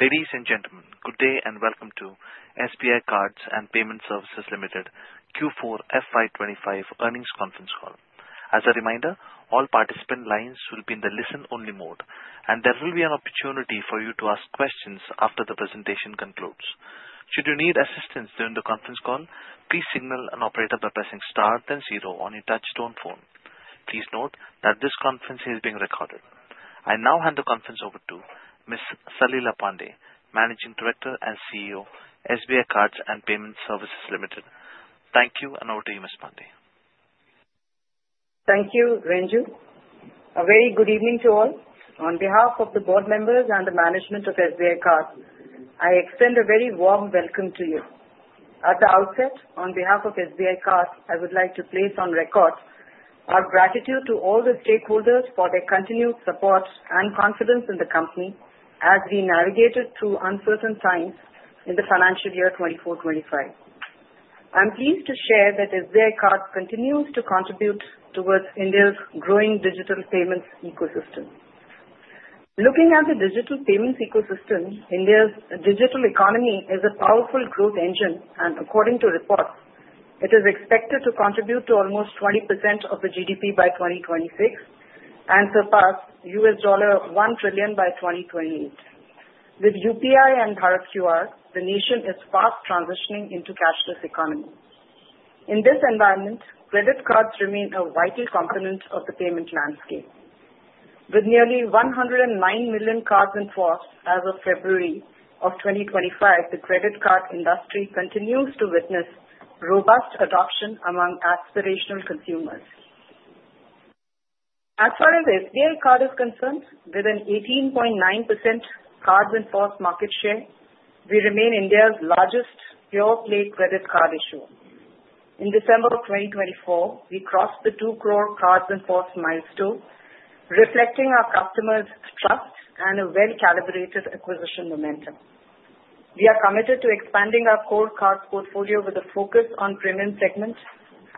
Ladies and gentlemen, good day and welcome to SBI Cards and Payment Services Limited Q4 FY 2025 earnings conference call. As a reminder, all participant lines will be in the listen-only mode, and there will be an opportunity for you to ask questions after the presentation concludes. Should you need assistance during the conference call, please signal an operator by pressing star then zero on your touch-tone phone. Please note that this conference is being recorded. I now hand the conference over to Ms. Salila Pande, Managing Director and CEO of SBI Cards and Payment Services Limited. Thank you, and over to you, Ms. Pande. Thank you, Ranju. A very good evening to all. On behalf of the board members and the management of SBI Cards, I extend a very warm welcome to you. At the outset, on behalf of SBI Cards, I would like to place on record our gratitude to all the stakeholders for their continued support and confidence in the company as we navigated through uncertain times in the financial year 2024-2025. I'm pleased to share that SBI Cards continues to contribute towards India's growing digital payments ecosystem. Looking at the digital payments ecosystem, India's digital economy is a powerful growth engine, and according to reports, it is expected to contribute to almost 20% of the GDP by 2026 and surpass $1 trillion by 2028. With UPI and Bharat QR, the nation is fast transitioning into a cashless economy. In this environment, credit cards remain a vital component of the payment landscape. With nearly 109 million cards in force as of February of 2025, the credit card industry continues to witness robust adoption among aspirational consumers. As far as SBI Card is concerned, with an 18.9% cards-in-force market share, we remain India's largest pure-play credit card issuer. In December of 2024, we crossed the 2 crore cards-in-force milestone, reflecting our customers' trust and a well-calibrated acquisition momentum. We are committed to expanding our core cards portfolio with a focus on premium segments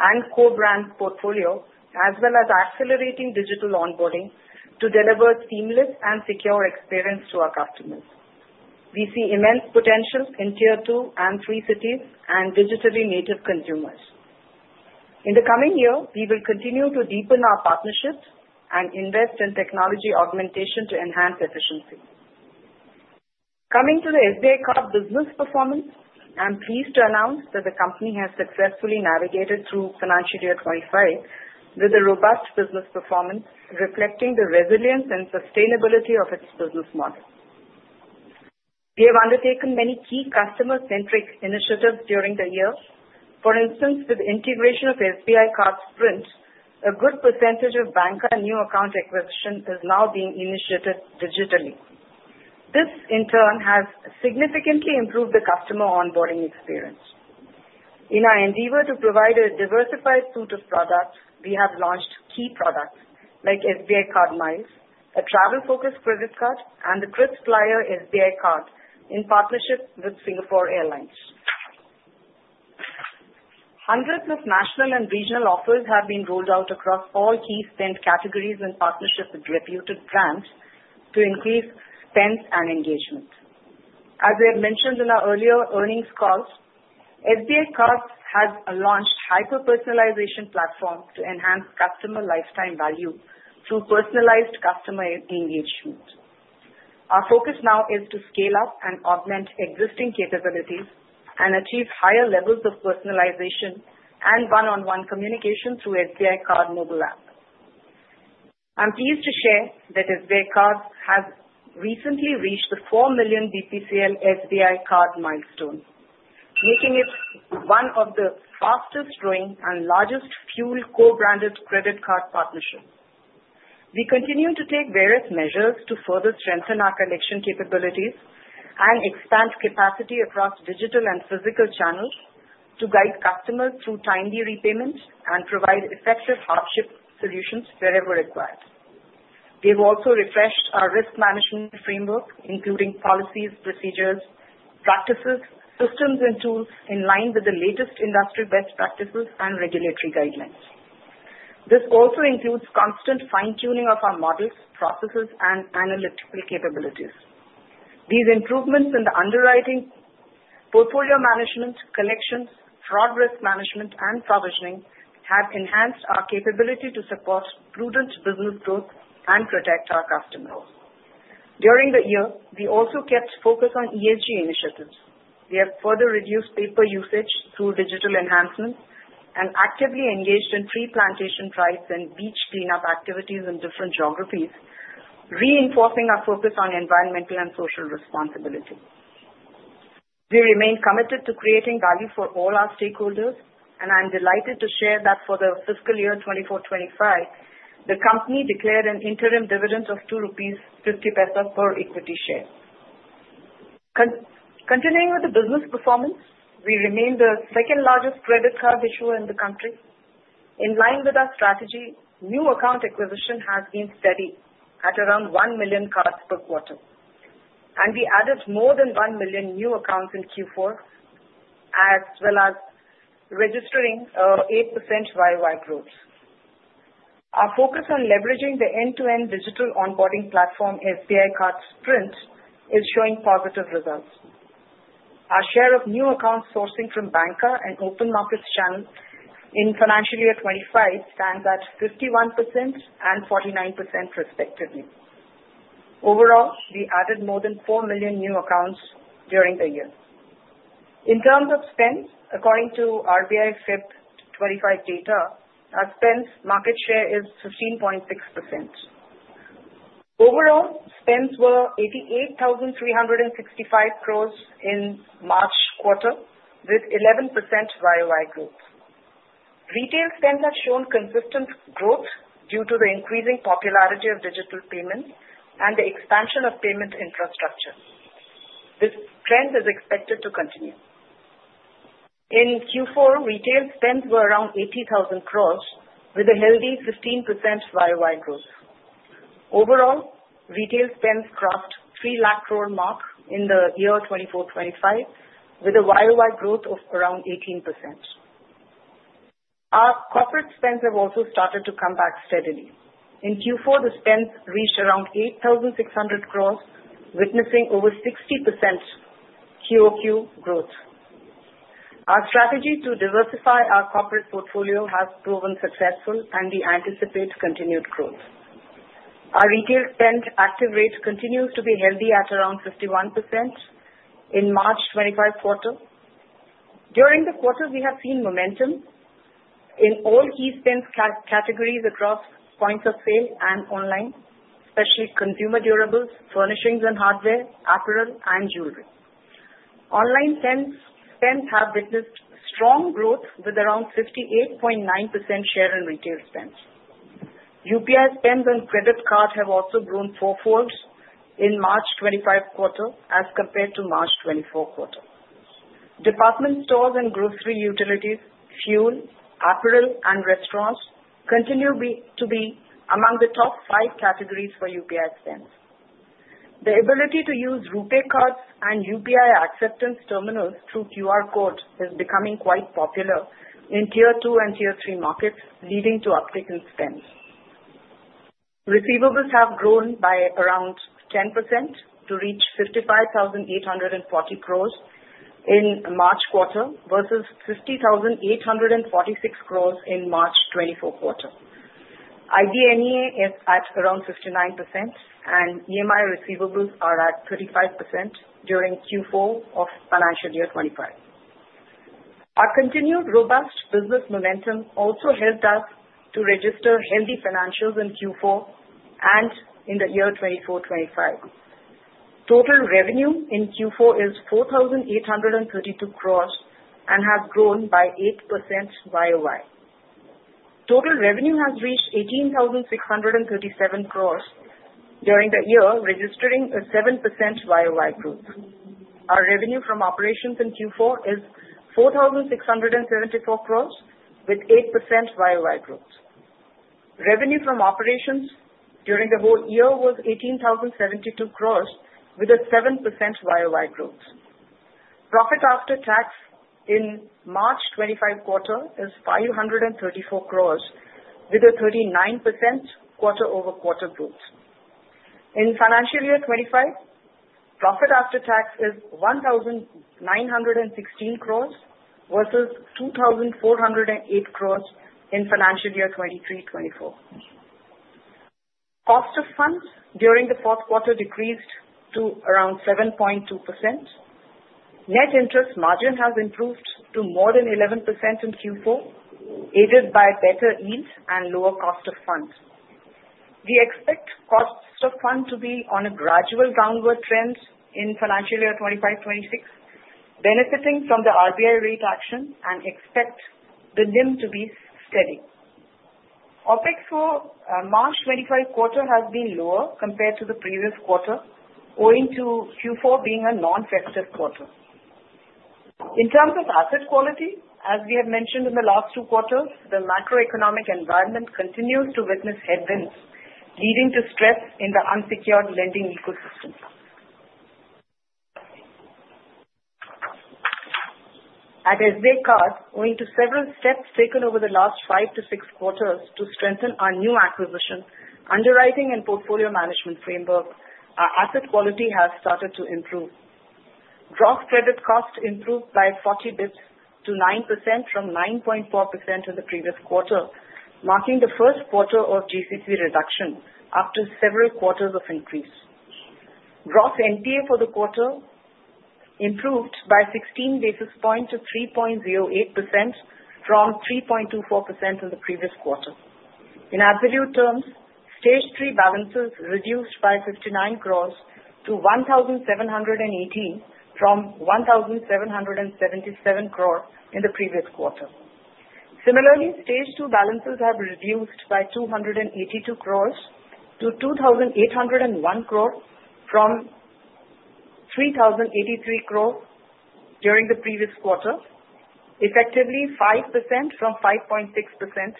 and core brand portfolio, as well as accelerating digital onboarding to deliver a seamless and secure experience to our customers. We see immense potential in tier two and three cities and digitally native consumers. In the coming year, we will continue to deepen our partnerships and invest in technology augmentation to enhance efficiency. Coming to the SBI Card business performance, I'm pleased to announce that the company has successfully navigated through financial year 2025 with a robust business performance, reflecting the resilience and sustainability of its business model. We have undertaken many key customer-centric initiatives during the year. For instance, with the integration of SBI Card Sprint, a good percentage of banker and new account acquisition is now being initiated digitally. This, in turn, has significantly improved the customer onboarding experience. In our endeavor to provide a diversified suite of products, we have launched key products like SBI Card Miles, a travel-focused credit card, and the KrisFlyer SBI Card in partnership with Singapore Airlines. Hundreds of national and regional offers have been rolled out across all key spend categories in partnership with reputed brands to increase spend and engagement. As we have mentioned in our earlier earnings calls, SBI Cards has launched a hyper-personalization platform to enhance customer lifetime value through personalized customer engagement. Our focus now is to scale up and augment existing capabilities and achieve higher levels of personalization and one-on-one communication through the SBI Card mobile app. I'm pleased to share that SBI Cards has recently reached the 4 million BPCL SBI Card milestone, making it one of the fastest-growing and largest fuel co-branded credit card partnerships. We continue to take various measures to further strengthen our collection capabilities and expand capacity across digital and physical channels to guide customers through timely repayments and provide effective hardship solutions wherever required. We have also refreshed our risk management framework, including policies, procedures, practices, systems, and tools in line with the latest industry best practices and regulatory guidelines. This also includes constant fine-tuning of our models, processes, and analytical capabilities. These improvements in the underwriting, portfolio management, collections, fraud risk management, and provisioning have enhanced our capability to support prudent business growth and protect our customers. During the year, we also kept focus on ESG initiatives. We have further reduced paper usage through digital enhancements and actively engaged in tree plantation drives and beach cleanup activities in different geographies, reinforcing our focus on environmental and social responsibility. We remain committed to creating value for all our stakeholders, and I'm delighted to share that for the fiscal year 2024-2025, the company declared an interim dividend of 2.50 rupees per equity share. Continuing with the business performance, we remain the second largest credit card issuer in the country. In line with our strategy, new account acquisition has been steady at around 1 million cards per quarter, and we added more than 1 million new accounts in Q4, as well as registering 8% YoY growth. Our focus on leveraging the end-to-end digital onboarding platform, SBI Card Sprint, is showing positive results. Our share of new accounts sourcing from banker and open markets channels in financial year 2025 stands at 51% and 49%, respectively. Overall, we added more than 4 million new accounts during the year. In terms of spend, according to RBI February 2025 data, our spend market share is 15.6%. Overall, spends were 88,365 crore in March quarter, with 11% YoY growth. Retail spends have shown consistent growth due to the increasing popularity of digital payments and the expansion of payment infrastructure. This trend is expected to continue. In Q4, retail spends were around 80,000 crore, with a healthy 15% YoY growth. Overall, retail spends crossed the 300,000 crore mark in the year 2024-2025, with a YoY growth of around 18%. Our corporate spends have also started to come back steadily. In Q4, the spends reached around 8,600 crore, witnessing over 60% QoQ growth. Our strategy to diversify our corporate portfolio has proven successful, and we anticipate continued growth. Our retail spend active rate continues to be healthy at around 51% in March 2025 quarter. During the quarter, we have seen momentum in all key spend categories across points of sale and online, especially consumer durables, furnishings and hardware, apparel, and jewelry. Online spends have witnessed strong growth, with around 58.9% share in retail spend. UPI spends on credit cards have also grown fourfold in March 2025 quarter as compared to March 2024 quarter. Department stores and grocery, utilities, fuel, apparel, and restaurants continue to be among the top five categories for UPI spend. The ability to use RuPay Cards and UPI acceptance terminals through QR code is becoming quite popular in tier two and tier three markets, leading to uptick in spend. Receivables have grown by around 10% to reach 55,840 crore in March quarter versus 50,846 crore in March 2024 quarter. IBNEA is at around 59%, and EMI receivables are at 35% during Q4 of financial year 2025. Our continued robust business momentum also helped us to register healthy financials in Q4 and in the year 2024-2025. Total revenue in Q4 is 4,832 crore and has grown by 8% YoY. Total revenue has reached 18,637 crore during the year, registering a 7% YoY growth. Our revenue from operations in Q4 is 4,674 crore, with 8% YoY growth. Revenue from operations during the whole year was 18,072 crore, with a 7% YoY growth. Profit after tax in March 2025 quarter is 534 crore, with a 39% quarter-over-quarter growth. In financial year 2025, profit after tax is 1,916 crore versus 2,408 crore in financial year 2023-2024. Cost of funds during the fourth quarter decreased to around 7.2%. Net interest margin has improved to more than 11% in Q4, aided by better yields and lower cost of funds. We expect cost of funds to be on a gradual downward trend in financial year 2025-2026, benefiting from the RBI rate action and expect the NIM to be steady. OpEx for March 2025 quarter has been lower compared to the previous quarter, owing to Q4 being a non-fixed quarter. In terms of asset quality, as we have mentioned in the last two quarters, the macroeconomic environment continues to witness headwinds, leading to stress in the unsecured lending ecosystem. At SBI Cards, owing to several steps taken over the last five to six quarters to strengthen our new acquisition, underwriting, and portfolio management framework, our asset quality has started to improve. Gross credit cost improved by 40 basis points to 9% from 9.4% in the previous quarter, marking the first quarter of GCC reduction after several quarters of increase. Gross NPA for the quarter improved by 16 basis points to 3.08% from 3.24% in the previous quarter. In absolute terms, Stage 3 balances reduced by 59 crore to 1,718 crore from 1,777 crore in the previous quarter. Similarly, Stage 2 balances have reduced by 282 crore to 2,801 crore from 3,083 crore during the previous quarter, effectively 5% from 5.6%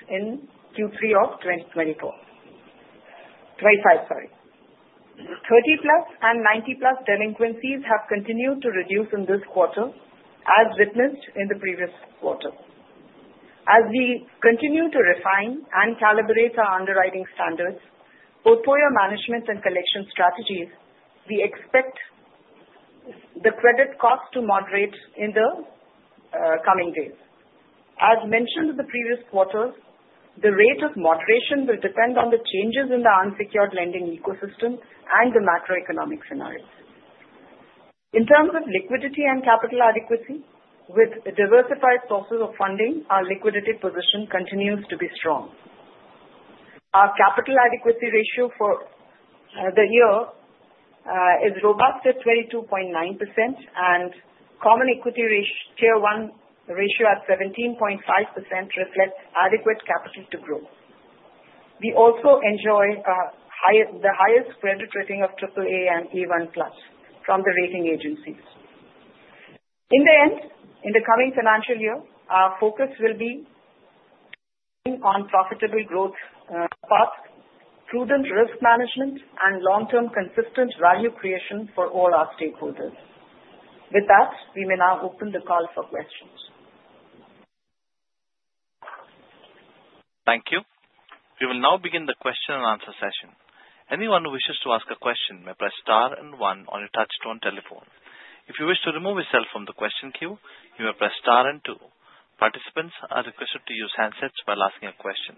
in Q3 of 2025. 30+ and 90+ delinquencies have continued to reduce in this quarter, as witnessed in the previous quarter. As we continue to refine and calibrate our underwriting standards, portfolio management, and collection strategies, we expect the credit cost to moderate in the coming days. As mentioned in the previous quarter, the rate of moderation will depend on the changes in the unsecured lending ecosystem and the macroeconomic scenarios. In terms of liquidity and capital adequacy, with diversified sources of funding, our liquidity position continues to be strong. Our capital adequacy ratio for the year is robust at 22.9%, and common equity ratio at 17.5% reflects adequate capital to grow. We also enjoy the highest credit rating of AAA and A1+ from the rating agencies. In the end, in the coming financial year, our focus will be on profitable growth path, prudent risk management, and long-term consistent value creation for all our stakeholders. With that, we may now open the call for questions. Thank you. We will now begin the question and answer session. Anyone who wishes to ask a question may press star and one on your touchstone telephone. If you wish to remove yourself from the question queue, you may press star and two. Participants are requested to use handsets while asking a question.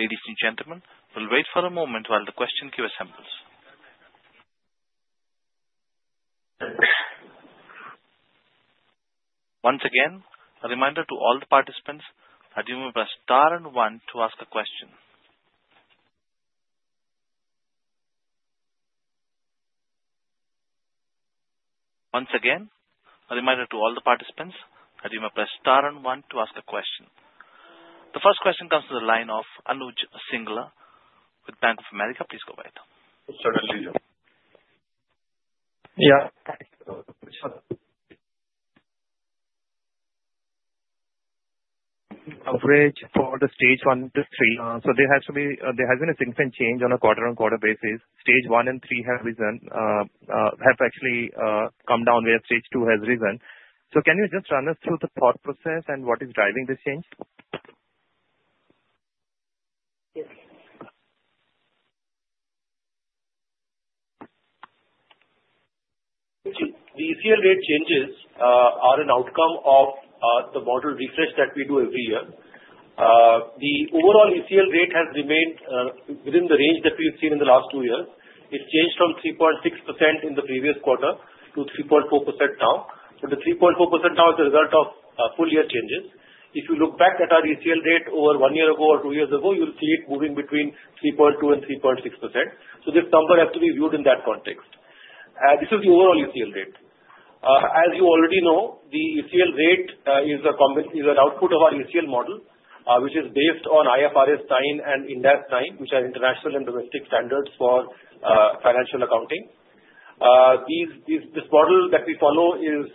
Ladies and gentlemen, we'll wait for a moment while the question queue assembles. Once again, a reminder to all the participants that you may press star and one to ask a question. Once again, a reminder to all the participants that you may press star and one to ask a question. The first question comes from the line of Anuj Singla with Bank of America. Please go ahead. Sir, please do. Yeah. Average for the stage one to three. There has been a significant change on a quarter-on-quarter basis. Stage one and three have actually come down where Stage 2 has risen. Can you just run us through the thought process and what is driving this change? Yes. The ECL rate changes are an outcome of the model refresh that we do every year. The overall ECL rate has remained within the range that we've seen in the last two years. It changed from 3.6% in the previous quarter to 3.4% now. The 3.4% now is the result of full-year changes. If you look back at our ECL rate over one year ago or two years ago, you'll see it moving between 3.2% and 3.6%. This number has to be viewed in that context. This is the overall ECL rate. As you already know, the ECL rate is an output of our ECL model, which is based on IFRS 9 and Ind AS 109, which are international and domestic standards for financial accounting. This model that we follow is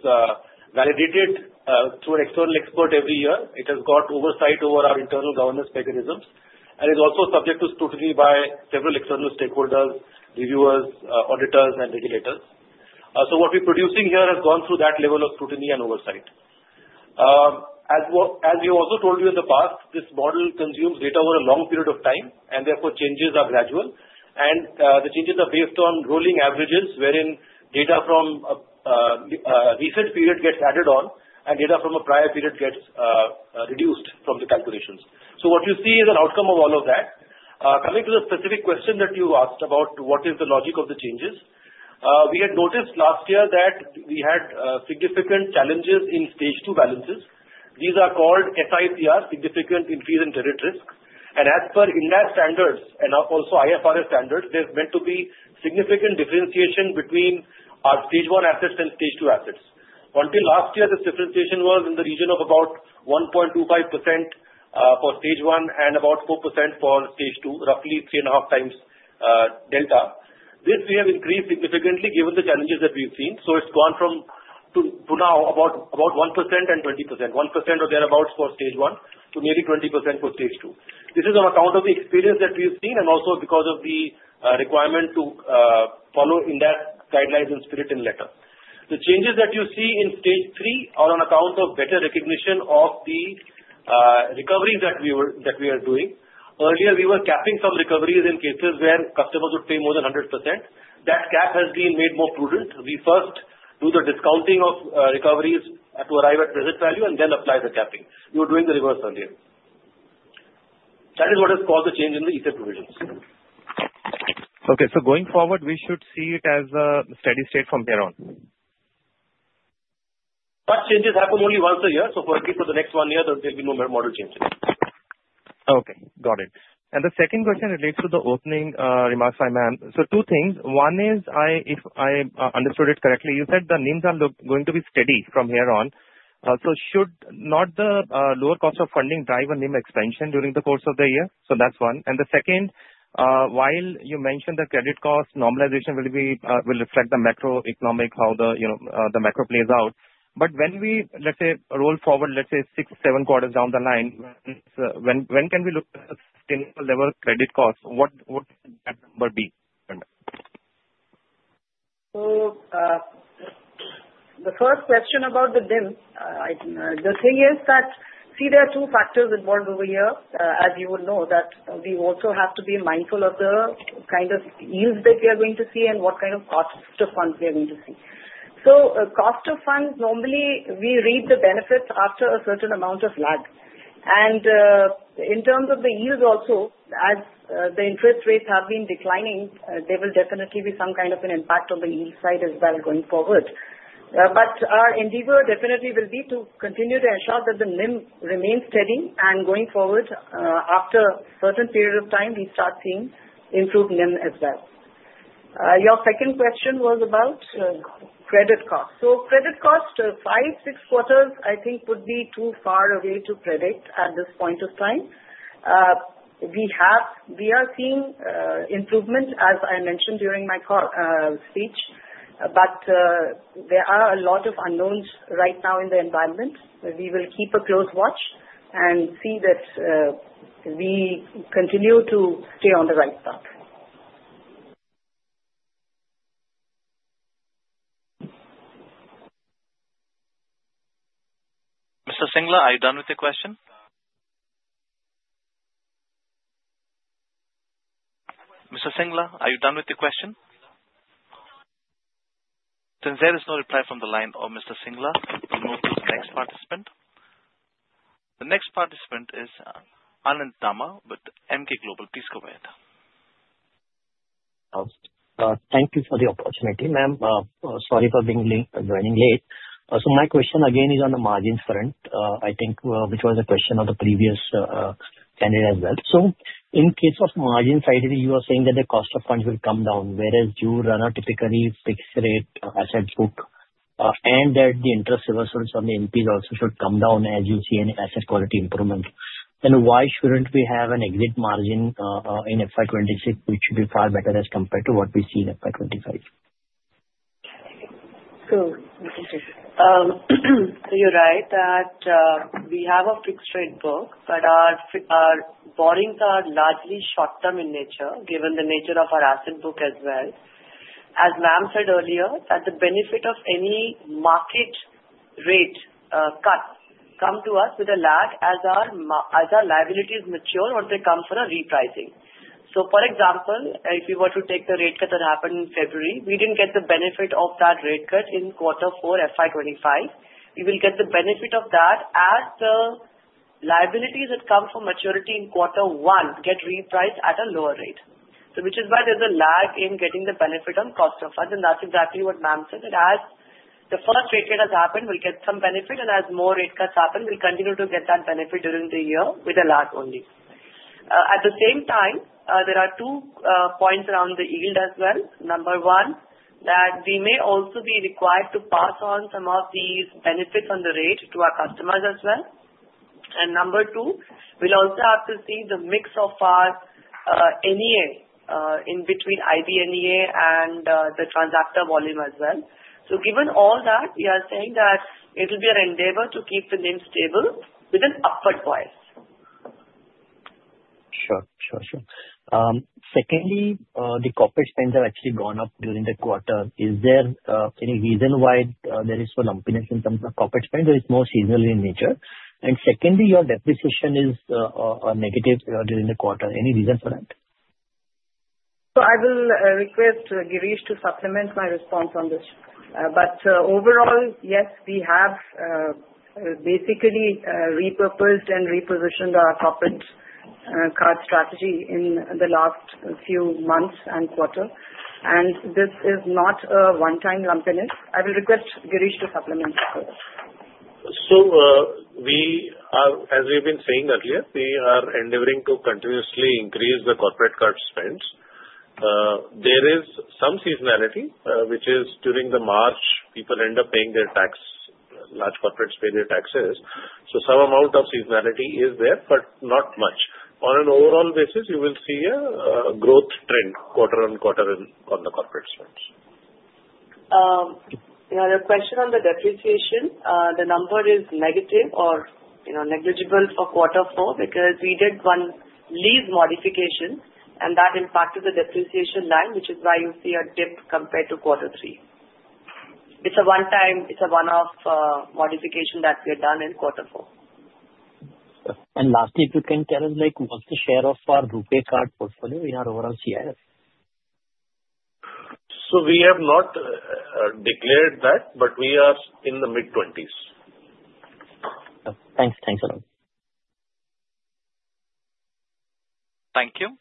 validated through an external expert every year. It has got oversight over our internal governance mechanisms and is also subject to scrutiny by several external stakeholders, reviewers, auditors, and regulators. What we're producing here has gone through that level of scrutiny and oversight. As we also told you in the past, this model consumes data over a long period of time, and therefore changes are gradual. The changes are based on rolling averages, wherein data from a recent period gets added on and data from a prior period gets reduced from the calculations. What you see is an outcome of all of that. Coming to the specific question that you asked about what is the logic of the changes, we had noticed last year that we had significant challenges in Stage 2 balances. These are called SICR, Significant Increase in Credit Risk. As per Ind AS standards and also IFRS standards, there is meant to be significant differentiation between our stage one assets and Stage 2 assets. Until last year, this differentiation was in the region of about 1.25% for stage one and about 4% for Stage 2, roughly 3.5x delta. This we have increased significantly given the challenges that we've seen. It's gone from to now about 1% and 20%, 1% or thereabouts for stage one to nearly 20% for Stage 2. This is on account of the experience that we've seen and also because of the requirement to follow Ind AS guidelines and spirit in letter. The changes that you see in Stage 3 are on account of better recognition of the recovery that we are doing. Earlier, we were capping some recoveries in cases where customers would pay more than 100%. That cap has been made more prudent. We first do the discounting of recoveries to arrive at present value and then apply the capping. We were doing the reverse earlier. That is what has caused the change in the ECL provisions. Okay. Going forward, we should see it as a steady state from here on? Changes happen only once a year. For the next one year, there will be no more model changes. Okay. Got it. The second question relates to the opening remarks I'm on. Two things. One is, if I understood it correctly, you said the NIMs are going to be steady from here on. Should not the lower cost of funding drive a NIM expansion during the course of the year? That is one. The second, while you mentioned that credit cost normalization will reflect the macroeconomic, how the macro plays out. When we, let's say, roll forward, let's say, six, seven quarters down the line, when can we look at the sustainable level of credit cost? What would that number be? The first question about the NIM, the thing is that, see, there are two factors involved over here. As you will know, that we also have to be mindful of the kind of yields that we are going to see and what kind of cost of funds we are going to see. Cost of funds, normally, we read the benefits after a certain amount of lag. In terms of the yields also, as the interest rates have been declining, there will definitely be some kind of an impact on the yield side as well going forward. Our endeavor definitely will be to continue to ensure that the NIM remains steady. Going forward, after a certain period of time, we start seeing improved NIM as well. Your second question was about credit cost. Credit cost, five, six quarters, I think, would be too far away to predict at this point of time. We are seeing improvement, as I mentioned during my speech, but there are a lot of unknowns right now in the environment. We will keep a close watch and see that we continue to stay on the right path. Mr. Singla, are you done with the question? Mr. Singla, are you done with the question? Since there is no reply from the line of Mr. Singla, we will move to the next participant. The next participant is Anand Dama with Emkay Global. Please go ahead. Thank you for the opportunity, ma'am. Sorry for joining late. My question again is on the margins front, I think, which was a question of the previous candidate as well. In case of margin side, you are saying that the cost of funds will come down, whereas you run a typically fixed rate asset book, and that the interest reversals on the NPAs also should come down as you see an asset quality improvement. Why shouldn't we have an exit margin in FY 2026, which should be far better as compared to what we see in FY 2025? You're right that we have a fixed rate book, but our borrowings are largely short-term in nature, given the nature of our asset book as well. As ma'am said earlier, the benefit of any market rate cut comes to us with a lag as our liabilities mature or they come for a repricing. For example, if you were to take the rate cut that happened in February, we didn't get the benefit of that rate cut in quarter four, FY 2025. We will get the benefit of that as the liabilities that come for maturity in quarter one get repriced at a lower rate. Which is why there's a lag in getting the benefit on cost of funds. That's exactly what ma'am said. The first rate cut has happened, we'll get some benefit. As more rate cuts happen, we'll continue to get that benefit during the year with a lag only. At the same time, there are two points around the yield as well. Number one, that we may also be required to pass on some of these benefits on the rate to our customers as well. Number two, we will also have to see the mix of our NEA in between IBNEA and the transactor volume as well. Given all that, we are saying that it will be our endeavor to keep the NIM stable with an upward bias. Sure. Sure. Sure. Secondly, the corporate spend has actually gone up during the quarter. Is there any reason why there is some lumpiness in terms of corporate spend? It is more seasonal in nature. Secondly, your depreciation is negative during the quarter. Any reason for that? I will request Girish to supplement my response on this. Overall, yes, we have basically repurposed and repositioned our corporate card strategy in the last few months and quarter. This is not a one-time lumpiness. I will request Girish to supplement. As we've been saying earlier, we are endeavoring to continuously increase the corporate card spend. There is some seasonality, which is during March, people end up paying their tax; large corporates pay their taxes. Some amount of seasonality is there, but not much. On an overall basis, you will see a growth trend quarter-on-quarter on the corporate spend. Another question on the depreciation, the number is negative or negligible for quarter four because we did one lease modification, and that impacted the depreciation line, which is why you see a dip compared to quarter three. It's a one-time modification that we have done in quarter four. Lastly, if you can tell us, what's the share of our RuPay card portfolio in our overall CIS? We have not declared that, but we are in the mid-20s. Thanks. Thanks a lot. Thank you.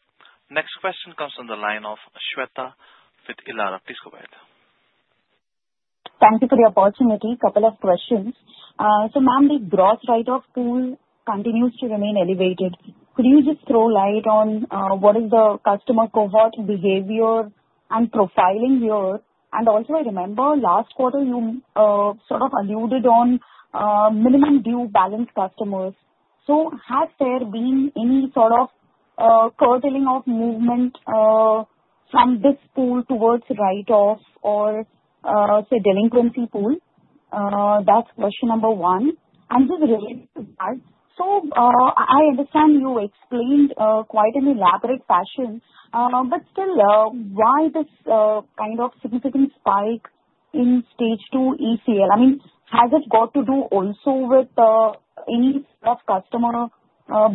Next question comes from the line of Shweta with Elara. Please go ahead. Thank you for the opportunity. Couple of questions. Ma'am, the gross write-off pool continues to remain elevated. Could you just throw light on what is the customer cohort behavior and profiling here? I remember last quarter, you sort of alluded on minimum due balance customers. Has there been any sort of curtailing of movement from this pool towards write-off or, say, delinquency pool? That is question number one. Just related to that, I understand you explained quite an elaborate fashion, but still, why this kind of significant spike in Stage 2 ECL? I mean, has it got to do also with any sort of customer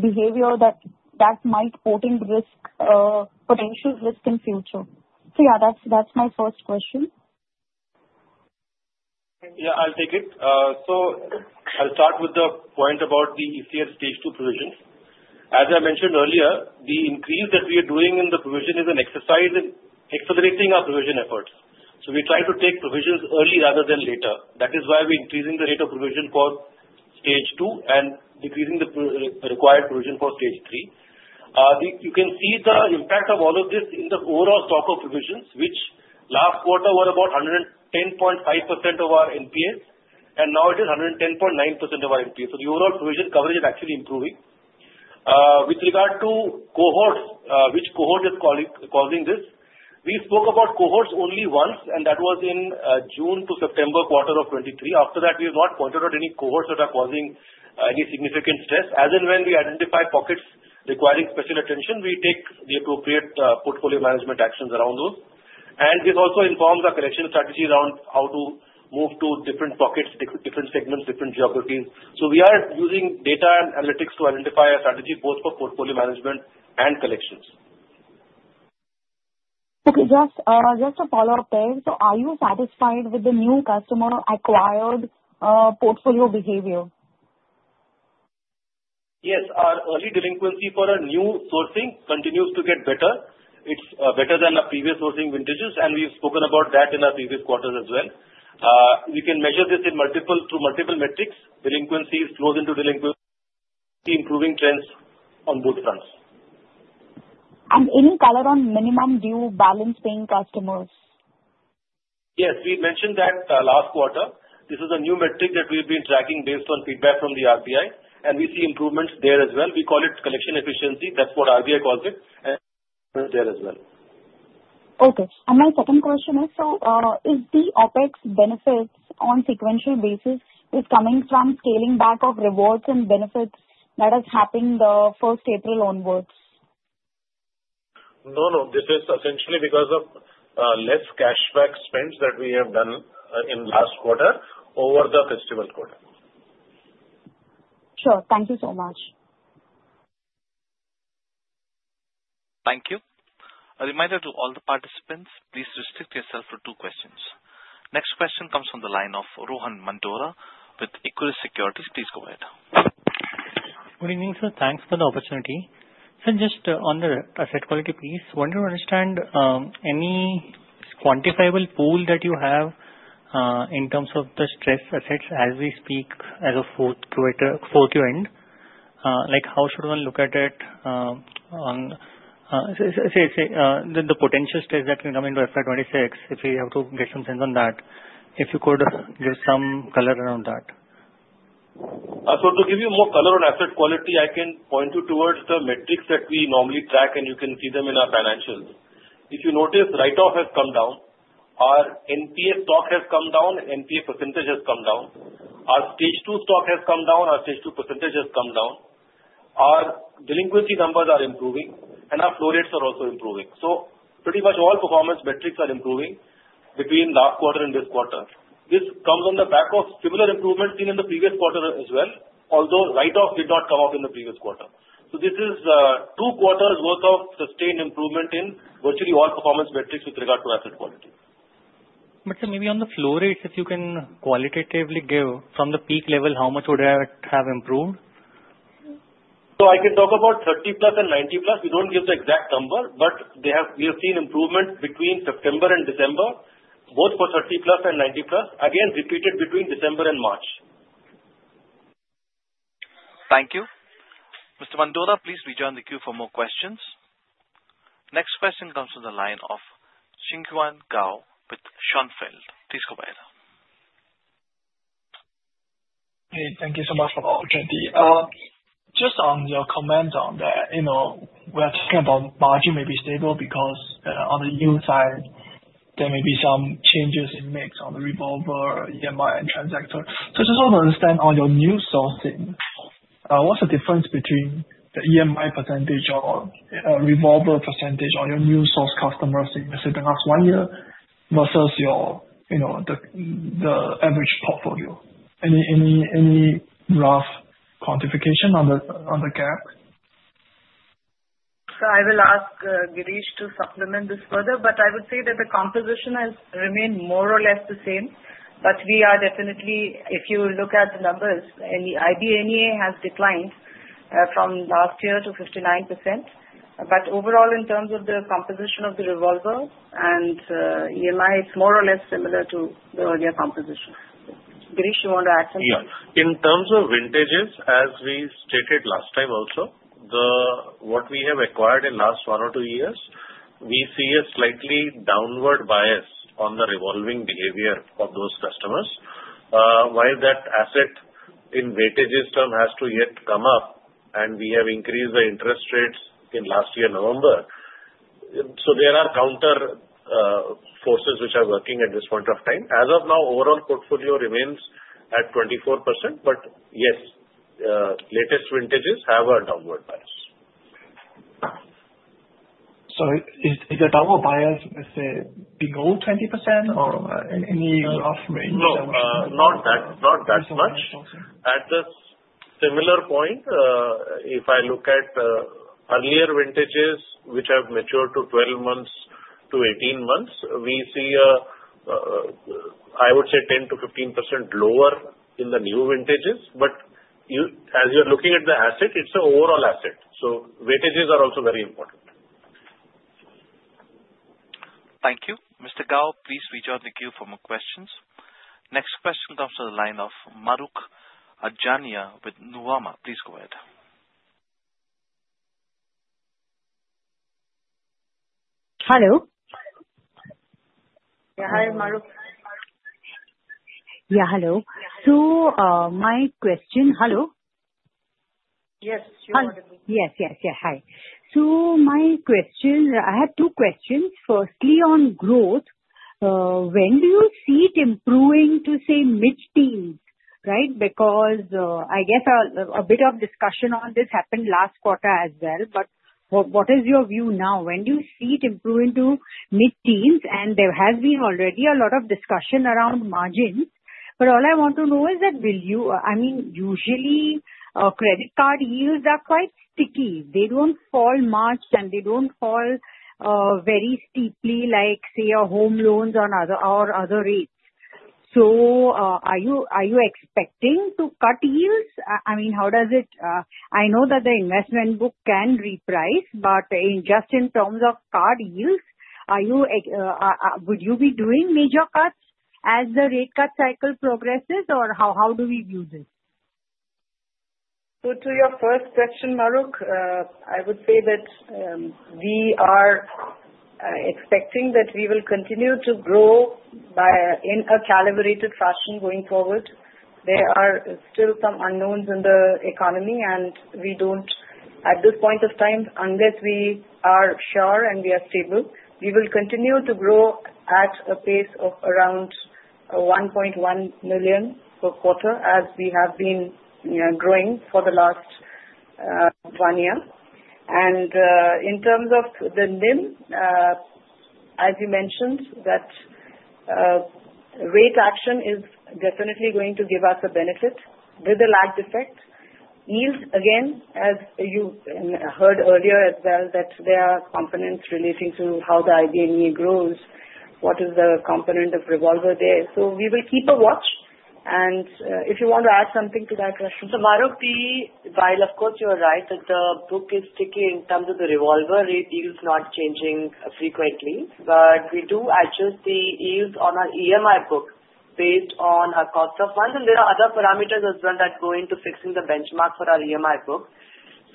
behavior that might potentially risk in future? That is my first question. Yeah, I'll take it. I'll start with the point about the ECL Stage 2 provision. As I mentioned earlier, the increase that we are doing in the provision is an exercise in accelerating our provision efforts. We try to take provisions early rather than later. That is why we're increasing the rate of provision for Stage 2 and decreasing the required provision for Stage 3. You can see the impact of all of this in the overall stock of provisions, which last quarter were about 110.5% of our NPAs, and now it is 110.9% of our NPAs. The overall provision coverage is actually improving. With regard to cohorts, which cohort is causing this? We spoke about cohorts only once, and that was in June to September quarter of 2023. After that, we have not pointed out any cohorts that are causing any significant stress. As and when we identify pockets requiring special attention, we take the appropriate portfolio management actions around those. This also informs our collection strategy around how to move to different pockets, different segments, different geographies. We are using data and analytics to identify a strategy both for portfolio management and collections. Okay. Just a follow-up there. Are you satisfied with the new customer-acquired portfolio behavior? Yes. Our early delinquency for our new sourcing continues to get better. It is better than our previous sourcing vintages, and we have spoken about that in our previous quarters as well. We can measure this through multiple metrics. Delinquency flows into delinquency, improving trends on both fronts. Any color on minimum due balance paying customers? Yes. We mentioned that last quarter. This is a new metric that we've been tracking based on feedback from the RBI, and we see improvements there as well. We call it collection efficiency. That's what RBI calls it. There as well. Okay. My second question is, is the OpEx benefits on sequential basis coming from scaling back of rewards and benefits that are happening the first April onwards? No, no. This is essentially because of less cashback spends that we have done in last quarter over the festive quarter. Sure. Thank you so much. Thank you. A reminder to all the participants, please restrict yourself to two questions. Next question comes from the line of Rohan Mandora with Equirus Securities. Please go ahead. Good evening, sir. Thanks for the opportunity. Sir, just on the asset quality, please, want to understand any quantifiable pool that you have in terms of the stress assets as we speak as of fourth year end? How should one look at it on the potential stress that can come into FY 2026 if we have to get some sense on that? If you could give some color around that. To give you more color on asset quality, I can point you towards the metrics that we normally track, and you can see them in our financials. If you notice, write-off has come down. Our NPA stock has come down. NPA percentage has come down. Our Stage 2 stock has come down. Our Stage 2 percentage has come down. Our delinquency numbers are improving, and our flow rates are also improving. Pretty much all performance metrics are improving between last quarter and this quarter. This comes on the back of similar improvements seen in the previous quarter as well, although write-off did not come up in the previous quarter. This is two quarters' worth of sustained improvement in virtually all performance metrics with regard to asset quality. Sir, maybe on the flow rates, if you can qualitatively give from the peak level, how much would it have improved? I can talk about 30 plus and 90 plus. We do not give the exact number, but we have seen improvement between September and December, both for 30 plus and 90 plus, again, repeated between December and March. Thank you. Mr. Mandora, please return to the queue for more questions. Next question comes from the line of Zhixuan Gao with Schonfeld. Please go ahead. Thank you so much for the opportunity. Just on your comment on that, we're talking about margin may be stable because on the yield side, there may be some changes in mix on the revolver, EMI, and transactor. Just to understand on your new sourcing, what's the difference between the EMI percentage or revolver percentage on your new source customers in the last one year versus the average portfolio? Any rough quantification on the gap? I will ask Girish to supplement this further, but I would say that the composition has remained more or less the same. We are definitely, if you look at the numbers, and the IBNEA has declined from last year to 59%. Overall, in terms of the composition of the revolver and EMI, it's more or less similar to the earlier composition. Girish, you want to add something? Yeah. In terms of vintages, as we stated last time also, what we have acquired in the last one or two years, we see a slightly downward bias on the revolving behavior of those customers. While that asset in weightage system has to yet come up, and we have increased the interest rates in last year, November. There are counter forces which are working at this point of time. As of now, overall portfolio remains at 24%, but yes, latest vintages have a downward bias. Is the downward bias, let's say, below 20% or any rough range? No, not that much. At the similar point, if I look at earlier vintages which have matured to 12 months to 18 months, we see a, I would say, 10%-15% lower in the new vintages. As you're looking at the asset, it's an overall asset. Weightages are also very important. Thank you. Mr. Gao, please rejoin the queue for more questions. Next question comes from the line of Mahrukh Adajania with Nuvama. Please go ahead. Hello. Yeah. Hi, Mahrukh. Yeah. Hello. My question, hello? Yes. You're audible. Yes. Yes. Yes. Hi. My question, I have two questions. Firstly, on growth, when do you see it improving to, say, mid-teens, right? I guess a bit of discussion on this happened last quarter as well. What is your view now? When do you see it improving to mid-teens? There has been already a lot of discussion around margins. All I want to know is that, I mean, usually, credit card yields are quite sticky. They do not fall much, and they do not fall very steeply like, say, home loans or other rates. Are you expecting to cut yields? I mean, how does it, I know that the investment book can reprice, but just in terms of card yields, would you be doing major cuts as the rate cut cycle progresses, or how do we view this? To your first question, Mahrukh, I would say that we are expecting that we will continue to grow in a calibrated fashion going forward. There are still some unknowns in the economy, and we do not, at this point of time, unless we are sure and we are stable, we will continue to grow at a pace of around 1.1 million per quarter as we have been growing for the last one year. In terms of the NIM, as you mentioned, that rate action is definitely going to give us a benefit with a lagged effect. Yields, again, as you heard earlier as well, there are components relating to how the IBNEA grows, what is the component of revolver there. We will keep a watch. If you want to add something to that question. Mahrukh, while of course you're right that the book is sticky in terms of the revolver, rate yields not changing frequently, we do adjust the yields on our EMI book based on our cost of funds. There are other parameters as well that go into fixing the benchmark for our EMI book.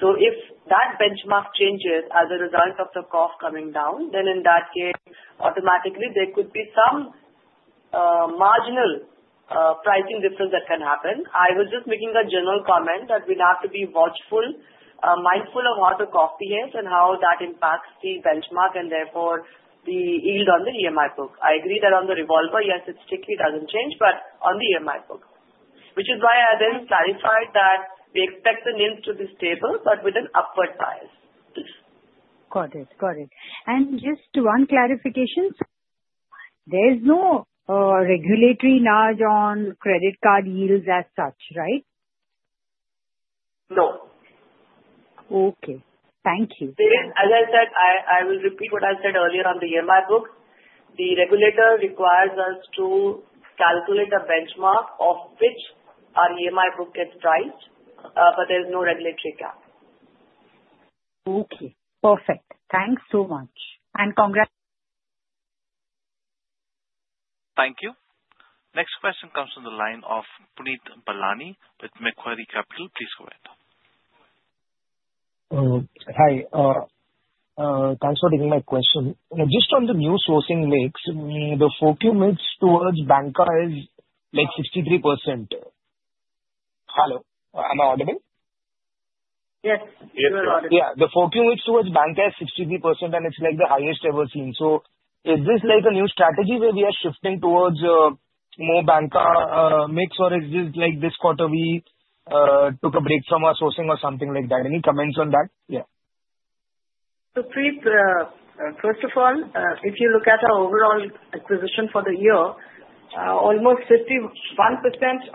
If that benchmark changes as a result of the cost coming down, then in that case, automatically, there could be some marginal pricing difference that can happen. I was just making a general comment that we'd have to be mindful of how the cost behaves and how that impacts the benchmark and therefore the yield on the EMI book. I agree that on the revolver, yes, it's sticky. It doesn't change, but on the EMI book, which is why I then clarified that we expect the NIMs to be stable, but with an upward bias. Got it. Got it. Just one clarification. There's no regulatory nudge on credit card yields as such, right? No. Okay. Thank you. As I said, I will repeat what I said earlier on the EMI book. The regulator requires us to calculate a benchmark off which our EMI book gets priced, but there's no regulatory gap. Okay. Perfect. Thanks so much. Congrats. Thank you. Next question comes from the line of Punit Bahlani with Macquarie Capital. Please go ahead. Hi. Thanks for taking my question. Just on the new sourcing mix, the Q4 mix towards banca is like 63%. Hello. Am I audible? Yes. Yes. Yeah. The 4Q mix towards banca is 63%, and it's like the highest ever seen. Is this like a new strategy where we are shifting towards more banca mix, or is this like this quarter we took a break from our sourcing or something like that? Any comments on that? Yeah. First of all, if you look at our overall acquisition for the year, almost 51%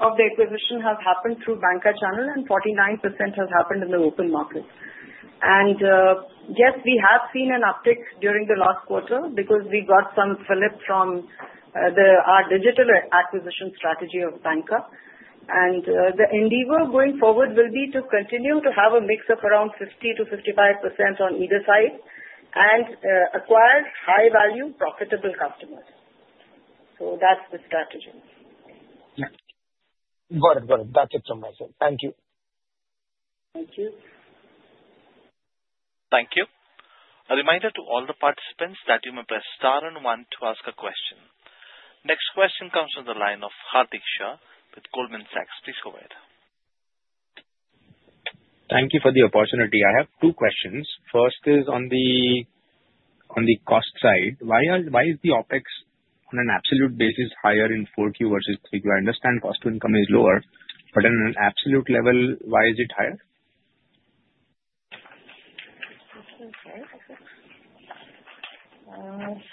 of the acquisition has happened through banca channel and 49% has happened in the open market. Yes, we have seen an uptick during the last quarter because we got some flip from our digital acquisition strategy of banca. The endeavor going forward will be to continue to have a mix of around 50%-55% on either side and acquire high-value, profitable customers. That is the strategy. Got it. Got it. That is it from my side. Thank you. Thank you. Thank you. A reminder to all the participants that you may press star and one to ask a question. Next question comes from the line of Hardik Shah with Goldman Sachs. Please go ahead. Thank you for the opportunity. I have two questions. First is on the cost side. Why is the OpEx on an absolute basis higher in Q4 versus Q3? I understand cost to income is lower, but on an absolute level, why is it higher? Okay.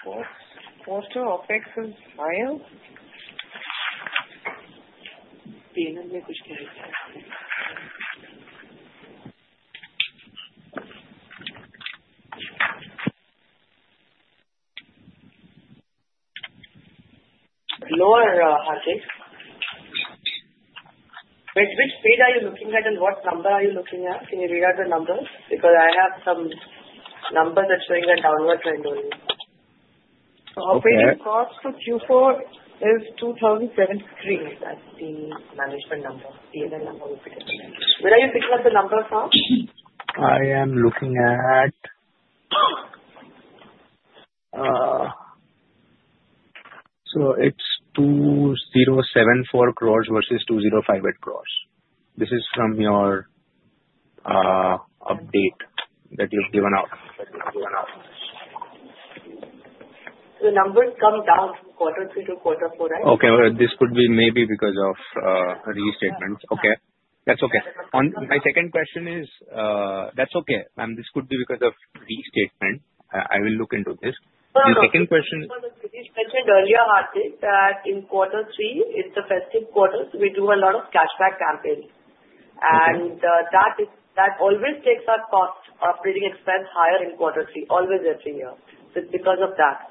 Fourth quarter OpEx is higher. Lower, Hardik. Which page are you looking at, and what number are you looking at? Can you read out the numbers? Because I have some numbers that are showing a downward trend only. Operating cost for Q4 is 2,073. That's the management number. Where are you picking up the numbers from? I am looking at. It's 2,074 crore versus 2,058 crore. This is from your update that you've given out. The numbers come down quarter three to quarter four, right? Okay. This could be maybe because of a restatement. That's okay. My second question is that's okay. This could be because of restatement. I will look into this. The second question. You mentioned earlier, Hardik, that in quarter three, it's the festive quarters. We do a lot of cashback campaigns. That always takes our cost operating expense higher in quarter three, always every year. It's because of that.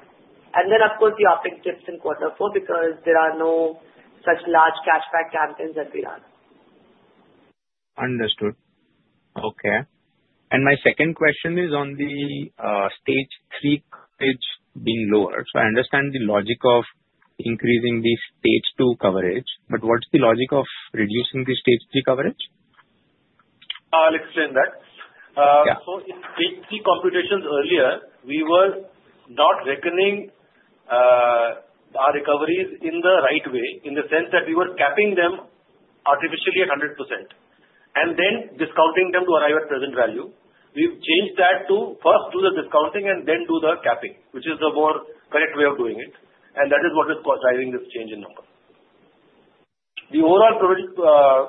Then, of course, the uptick dips in quarter four because there are no such large cashback campaigns that we run. Understood. Okay. My second question is on the Stage 3 coverage being lower. I understand the logic of increasing the Stage 2 coverage, but what's the logic of reducing the Stage 3 coverage? I'll explain that. In Stage 3 computations earlier, we were not reckoning our recoveries in the right way, in the sense that we were capping them artificially at 100% and then discounting them to arrive at present value. We've changed that to first do the discounting and then do the capping, which is the more correct way of doing it. That is what is driving this change in numbers. The overall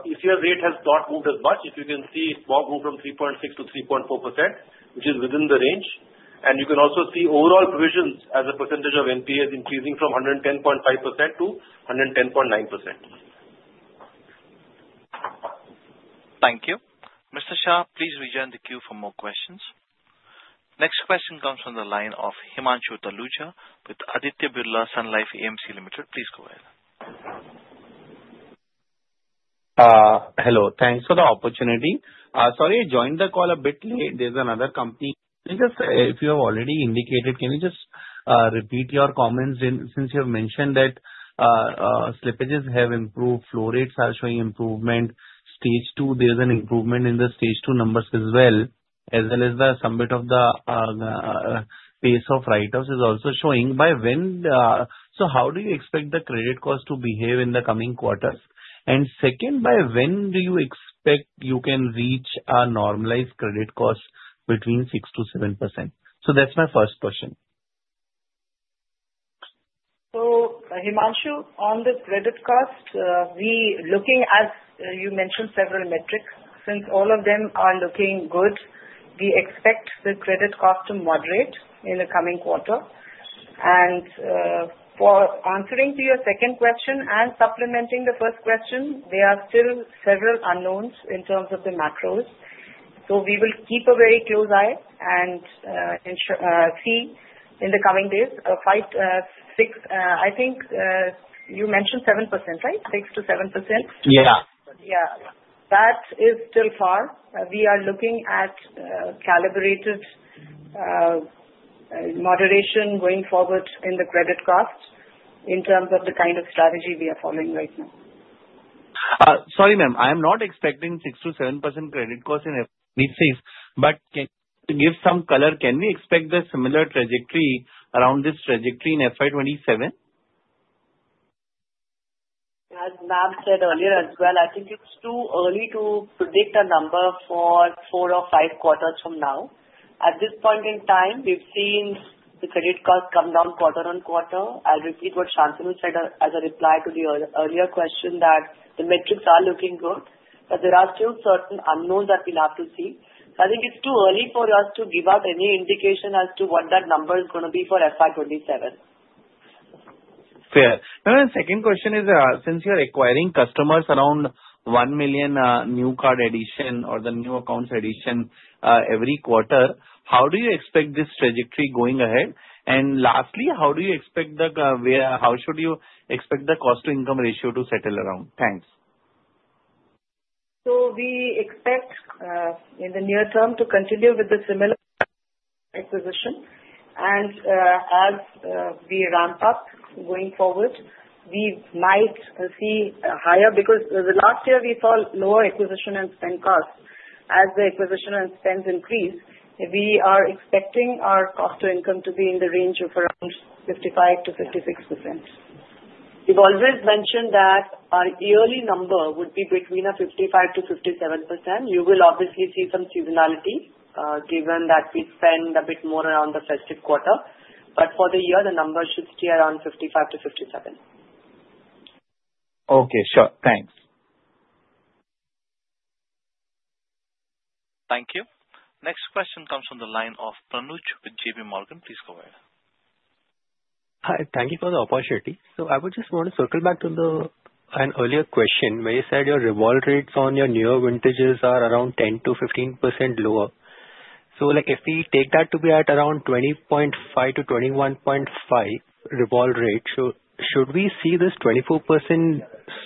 ECL rate has not moved as much. If you can see, it's more grown from 3.6% to 3.4%, which is within the range. You can also see overall provisions as a percentage of NPAs increasing from 110.5% to 110.9%. Thank you. Mr. Shah, please rejoin the queue for more questions. Next question comes from the line of Himanshu Taluja with Aditya Birla Sun Life AMC Limited. Please go ahead. Hello. Thanks for the opportunity. Sorry, I joined the call a bit late. There's another company. Can you just, if you have already indicated, can you just repeat your comments since you have mentioned that slippages have improved, flow rates are showing improvement, Stage 2, there's an improvement in the Stage 2 numbers as well, as well as the summit of the pace of write-offs is also showing. How do you expect the credit cost to behave in the coming quarters? Second, by when do you expect you can reach a normalized credit cost between 6%-7%? That is my first question. Himanshu, on the credit cost, you mentioned several metrics. Since all of them are looking good, we expect the credit cost to moderate in the coming quarter. For answering your second question and supplementing the first question, there are still several unknowns in terms of the macros. We will keep a very close eye and see in the coming days. I think you mentioned 7%, right? 6%-7%? Yeah. Yeah. That is still far. We are looking at calibrated moderation going forward in the credit cost in terms of the kind of strategy we are following right now. Sorry, ma'am. I am not expecting 6%-7% credit cost in FY 2027. To give some color, can we expect the similar trajectory around this trajectory in FY 2027? As Ma'am said earlier as well, I think it's too early to predict a number for four or five quarters from now. At this point in time, we've seen the credit cost come down quarter-on-quarter. I'll repeat what Shantanu said as a reply to the earlier question that the metrics are looking good, but there are still certain unknowns that we'll have to see. I think it's too early for us to give out any indication as to what that number is going to be for FY 2027. Fair. Now, my second question is, since you're acquiring customers around 1 million new card addition or the new accounts addition every quarter, how do you expect this trajectory going ahead? Lastly, how do you expect the cost to income ratio to settle around? Thanks. We expect in the near term to continue with the similar acquisition. As we ramp up going forward, we might see higher because last year we saw lower acquisition and spend costs. As the acquisition and spends increase, we are expecting our cost to income to be in the range of around 55%-56%. We have always mentioned that our yearly number would be between 55%-57%. You will obviously see some seasonality given that we spend a bit more around the festive quarter. For the year, the number should stay around 55%-57%. Okay. Sure. Thanks. Thank you. Next question comes from the line of Tanuj with JPMorgan. Please go ahead. Hi. Thank you for the opportunity. I would just want to circle back to an earlier question where you said your revolver rates on your newer vintages are around 10%-15% lower. If we take that to be at around 20.5%-21.5% revolver rate, should we see this 24%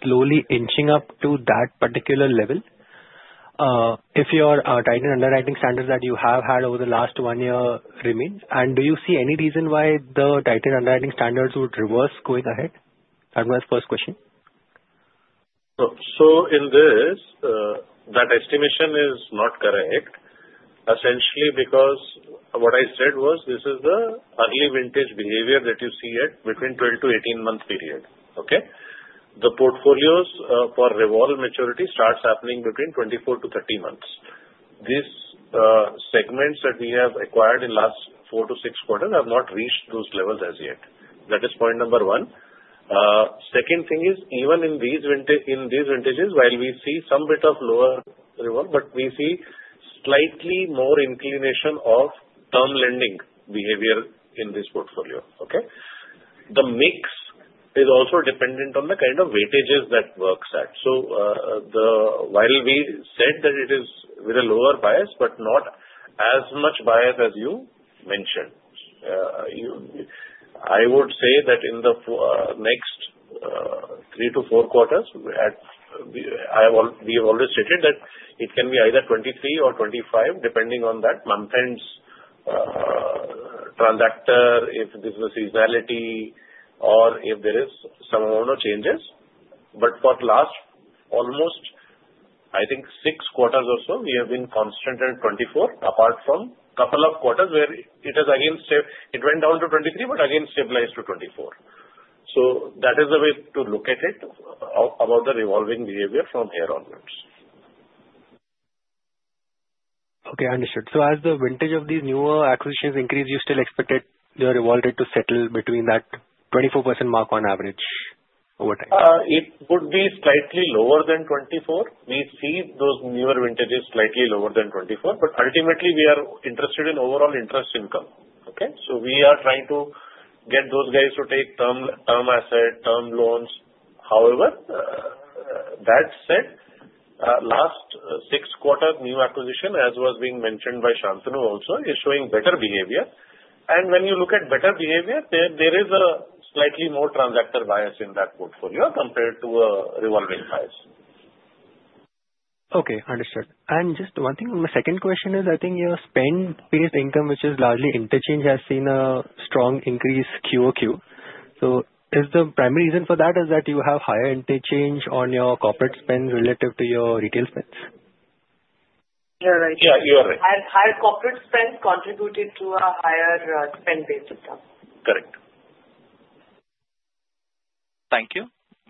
slowly inching up to that particular level if your tightened underwriting standards that you have had over the last one year remain? Do you see any reason why the tightened underwriting standards would reverse going ahead? That was my first question. In this, that estimation is not correct. Essentially because what I said was this is the early vintage behavior that you see at between 12-18-month period. The portfolios for revolver maturity start happening between 24-30 months. These segments that we have acquired in the last four to six quarters have not reached those levels as yet. That is point number one. Second thing is, even in these vintages, while we see some bit of lower revolver, but we see slightly more inclination of term lending behavior in this portfolio. Okay? The mix is also dependent on the kind of weightages that works at. While we said that it is with a lower bias, but not as much bias as you mentioned. I would say that in the next three to four quarters, we have always stated that it can be either 23% or 25% depending on that month-end transactor, if there is a seasonality, or if there is some amount of changes. For the last almost, I think, six quarters or so, we have been constant at 24%, apart from a couple of quarters where it went down to 23%, but again stabilized to 24%. That is the way to look at it about the revolving behavior from here onwards. Okay. Understood. As the vintage of these newer acquisitions increase, you still expect your revolver rate to settle between that 24% mark on average over time? It would be slightly lower than 24%. We see those newer vintages slightly lower than 24%, but ultimately, we are interested in overall interest income. Okay? We are trying to get those guys to take term asset, term loans. However, that said, last six quarter new acquisition, as was being mentioned by Shantanu also, is showing better behavior. When you look at better behavior, there is a slightly more transactor bias in that portfolio compared to a revolving bias. Okay. Understood. Just one thing. My second question is, I think your spend-based income, which is largely interchange, has seen a strong increase QoQ. Is the primary reason for that that you have higher interchange on your corporate spend relative to your retail spends? You're right. Yeah. You're right. Higher corporate spend contributed to a higher spend-based income. Correct. Thank you.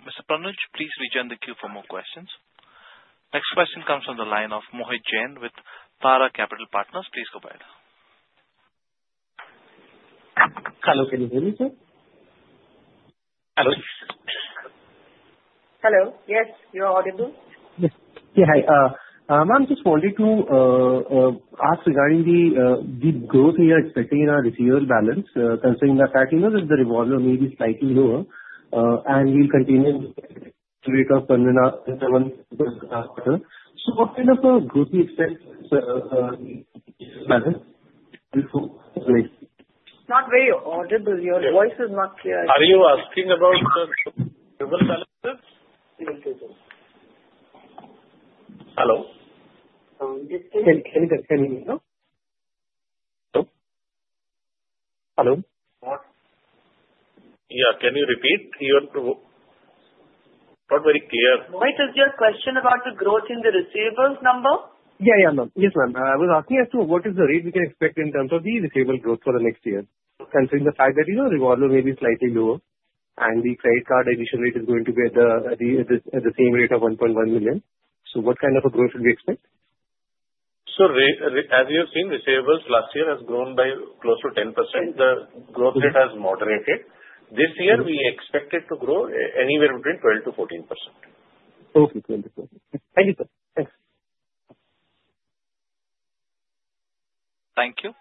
Mr. Pranuj, please rejoin the queue for more questions. Next question comes from the line of Mohit Jain with Tara Capital Partners. Please go ahead. Hello. Can you hear me, sir? Hello. Hello. Yes. You're audible. Yeah. Hi. Ma'am, just wanted to ask regarding the growth we are expecting in our retail balance, considering that the revolver may be slightly lower and we'll continue to rate off in the next quarter. What kind of growth do you expect? Not very audible. Your voice is not clear. Are you asking about the revolver balance? Hello. Can you hear me now? Hello? Hello? Yeah. Can you repeat? Not very clear. What is your question about the growth in the receivables number? Yeah. Yeah. Yes, ma'am. I was asking as to what is the rate we can expect in terms of the receivables growth for the next year, considering the fact that revolver may be slightly lower and the credit card addition rate is going to be at the same rate of 1.1 million. What kind of a growth should we expect? As you have seen, receivables last year has grown by close to 10%. The growth rate has moderated. This year, we expect it to grow anywhere between 12%-14%. Okay. 12%-14%. Thank you, sir. Thanks. Thank you.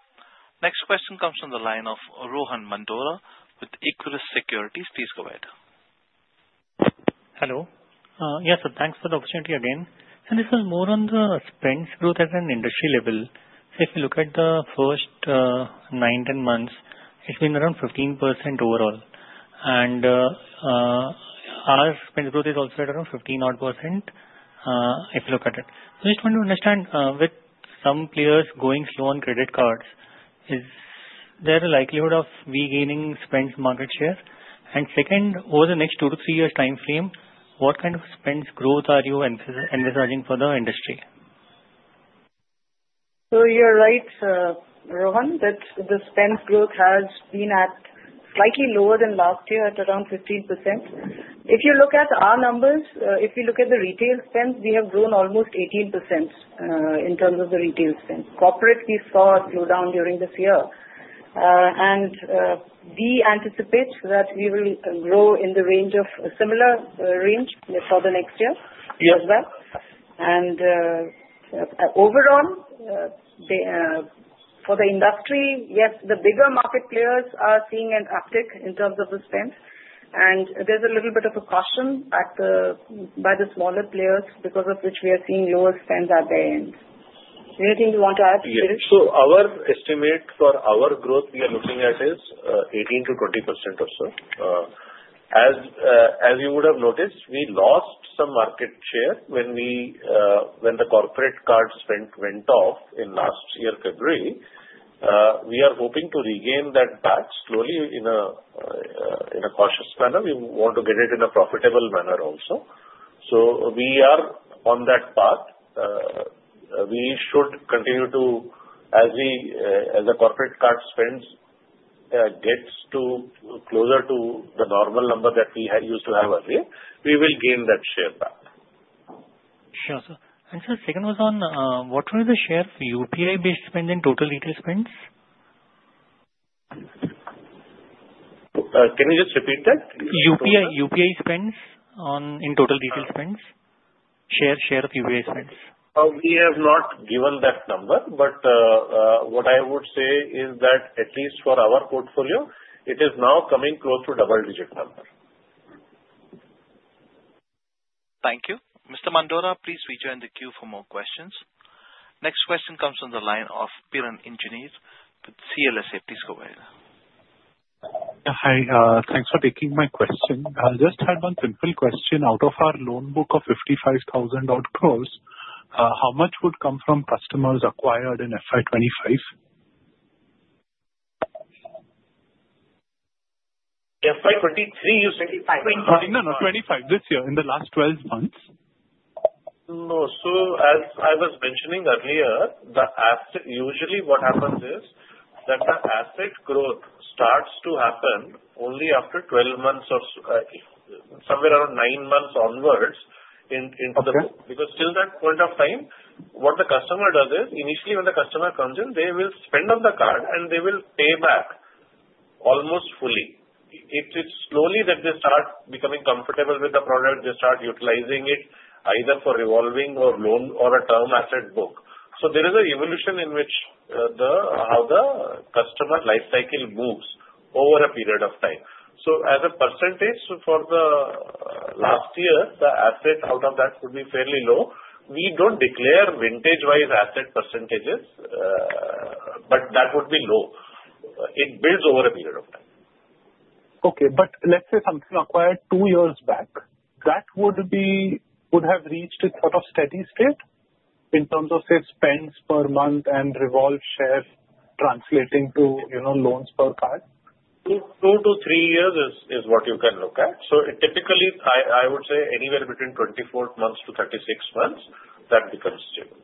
Next question comes from the line of Rohan Mandora with Equirus Securities. Please go ahead. Hello. Yes, sir. Thanks for the opportunity again. This is more on the spend growth at an industry level. If you look at the first nine, 10 months, it has been around 15% overall. Our spend growth is also at around 15-odd % if you look at it. I just want to understand, with some players going slow on credit cards, is there a likelihood of we gaining spend market share? Second, over the next two to three years' time frame, what kind of spend growth are you envisaging for the industry? You're right, Rohan, that the spend growth has been at slightly lower than last year at around 15%. If you look at our numbers, if we look at the retail spend, we have grown almost 18% in terms of the retail spend. Corporate, we saw a slowdown during this year. We anticipate that we will grow in a similar range for the next year as well. Overall, for the industry, yes, the bigger market players are seeing an uptick in terms of the spend. There's a little bit of a caution by the smaller players because of which we are seeing lower spend at the end. Anything you want to add? Our estimate for our growth we are looking at is 18%-20% or so. As you would have noticed, we lost some market share when the corporate card spend went off in last year, February. We are hoping to regain that back slowly in a cautious manner. We want to get it in a profitable manner also. We are on that path. We should continue to, as the corporate card spend gets closer to the normal number that we used to have earlier, we will gain that share back. Sure. The second was on what was the share of UPI-based spend in total retail spends? Can you just repeat that? UPI spends in total retail spends, share of UPI spends. We have not given that number, but what I would say is that at least for our portfolio, it is now coming close to double-digit numbers. Thank you. Mr. Mandora, please rejoin the queue for more questions. Next question comes from the line of Piran Engineer with CLSA. Please go ahead. Hi. Thanks for taking my question. I'll just add one simple question. Out of our loan book of 55,000-odd crore, how much would come from customers acquired in FY 2025? FY 2023, you said? 2025. No, no, 2025 this year in the last 12 months. No. As I was mentioning earlier, usually what happens is that the asset growth starts to happen only after 12 months or somewhere around 9 months onwards because till that point of time, what the customer does is initially when the customer comes in, they will spend on the card and they will pay back almost fully. It's slowly that they start becoming comfortable with the product. They start utilizing it either for revolving or a term asset book. There is an evolution in which how the customer lifecycle moves over a period of time. As a percentage for the last year, the asset out of that would be fairly low. We don't declare vintage-wise asset percentages, but that would be low. It builds over a period of time. Okay. Let's say something acquired two years back, that would have reached its sort of steady state in terms of, say, spends per month and revolved share translating to loans per card? Two to three years is what you can look at. Typically, I would say anywhere between 24 months to 36 months, that becomes stable.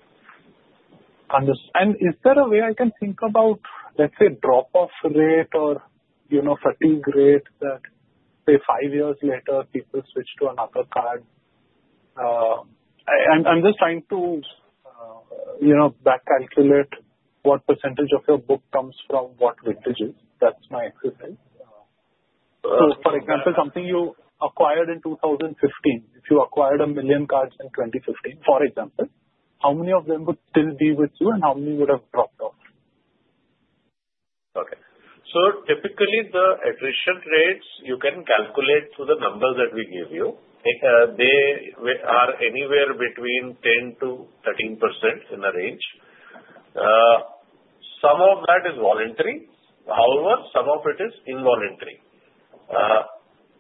Understood. Is there a way I can think about, let's say, drop-off rate or fatigue rate that, say, five years later, people switch to another card? I'm just trying to back-calculate what percentage of your book comes from what vintages. That's my exercise. For example, something you acquired in 2015, if you acquired a million cards in 2015, for example, how many of them would still be with you and how many would have dropped off? Okay. Typically, the attrition rates you can calculate through the numbers that we give you. They are anywhere between 10%-13% in the range. Some of that is voluntary. However, some of it is involuntary.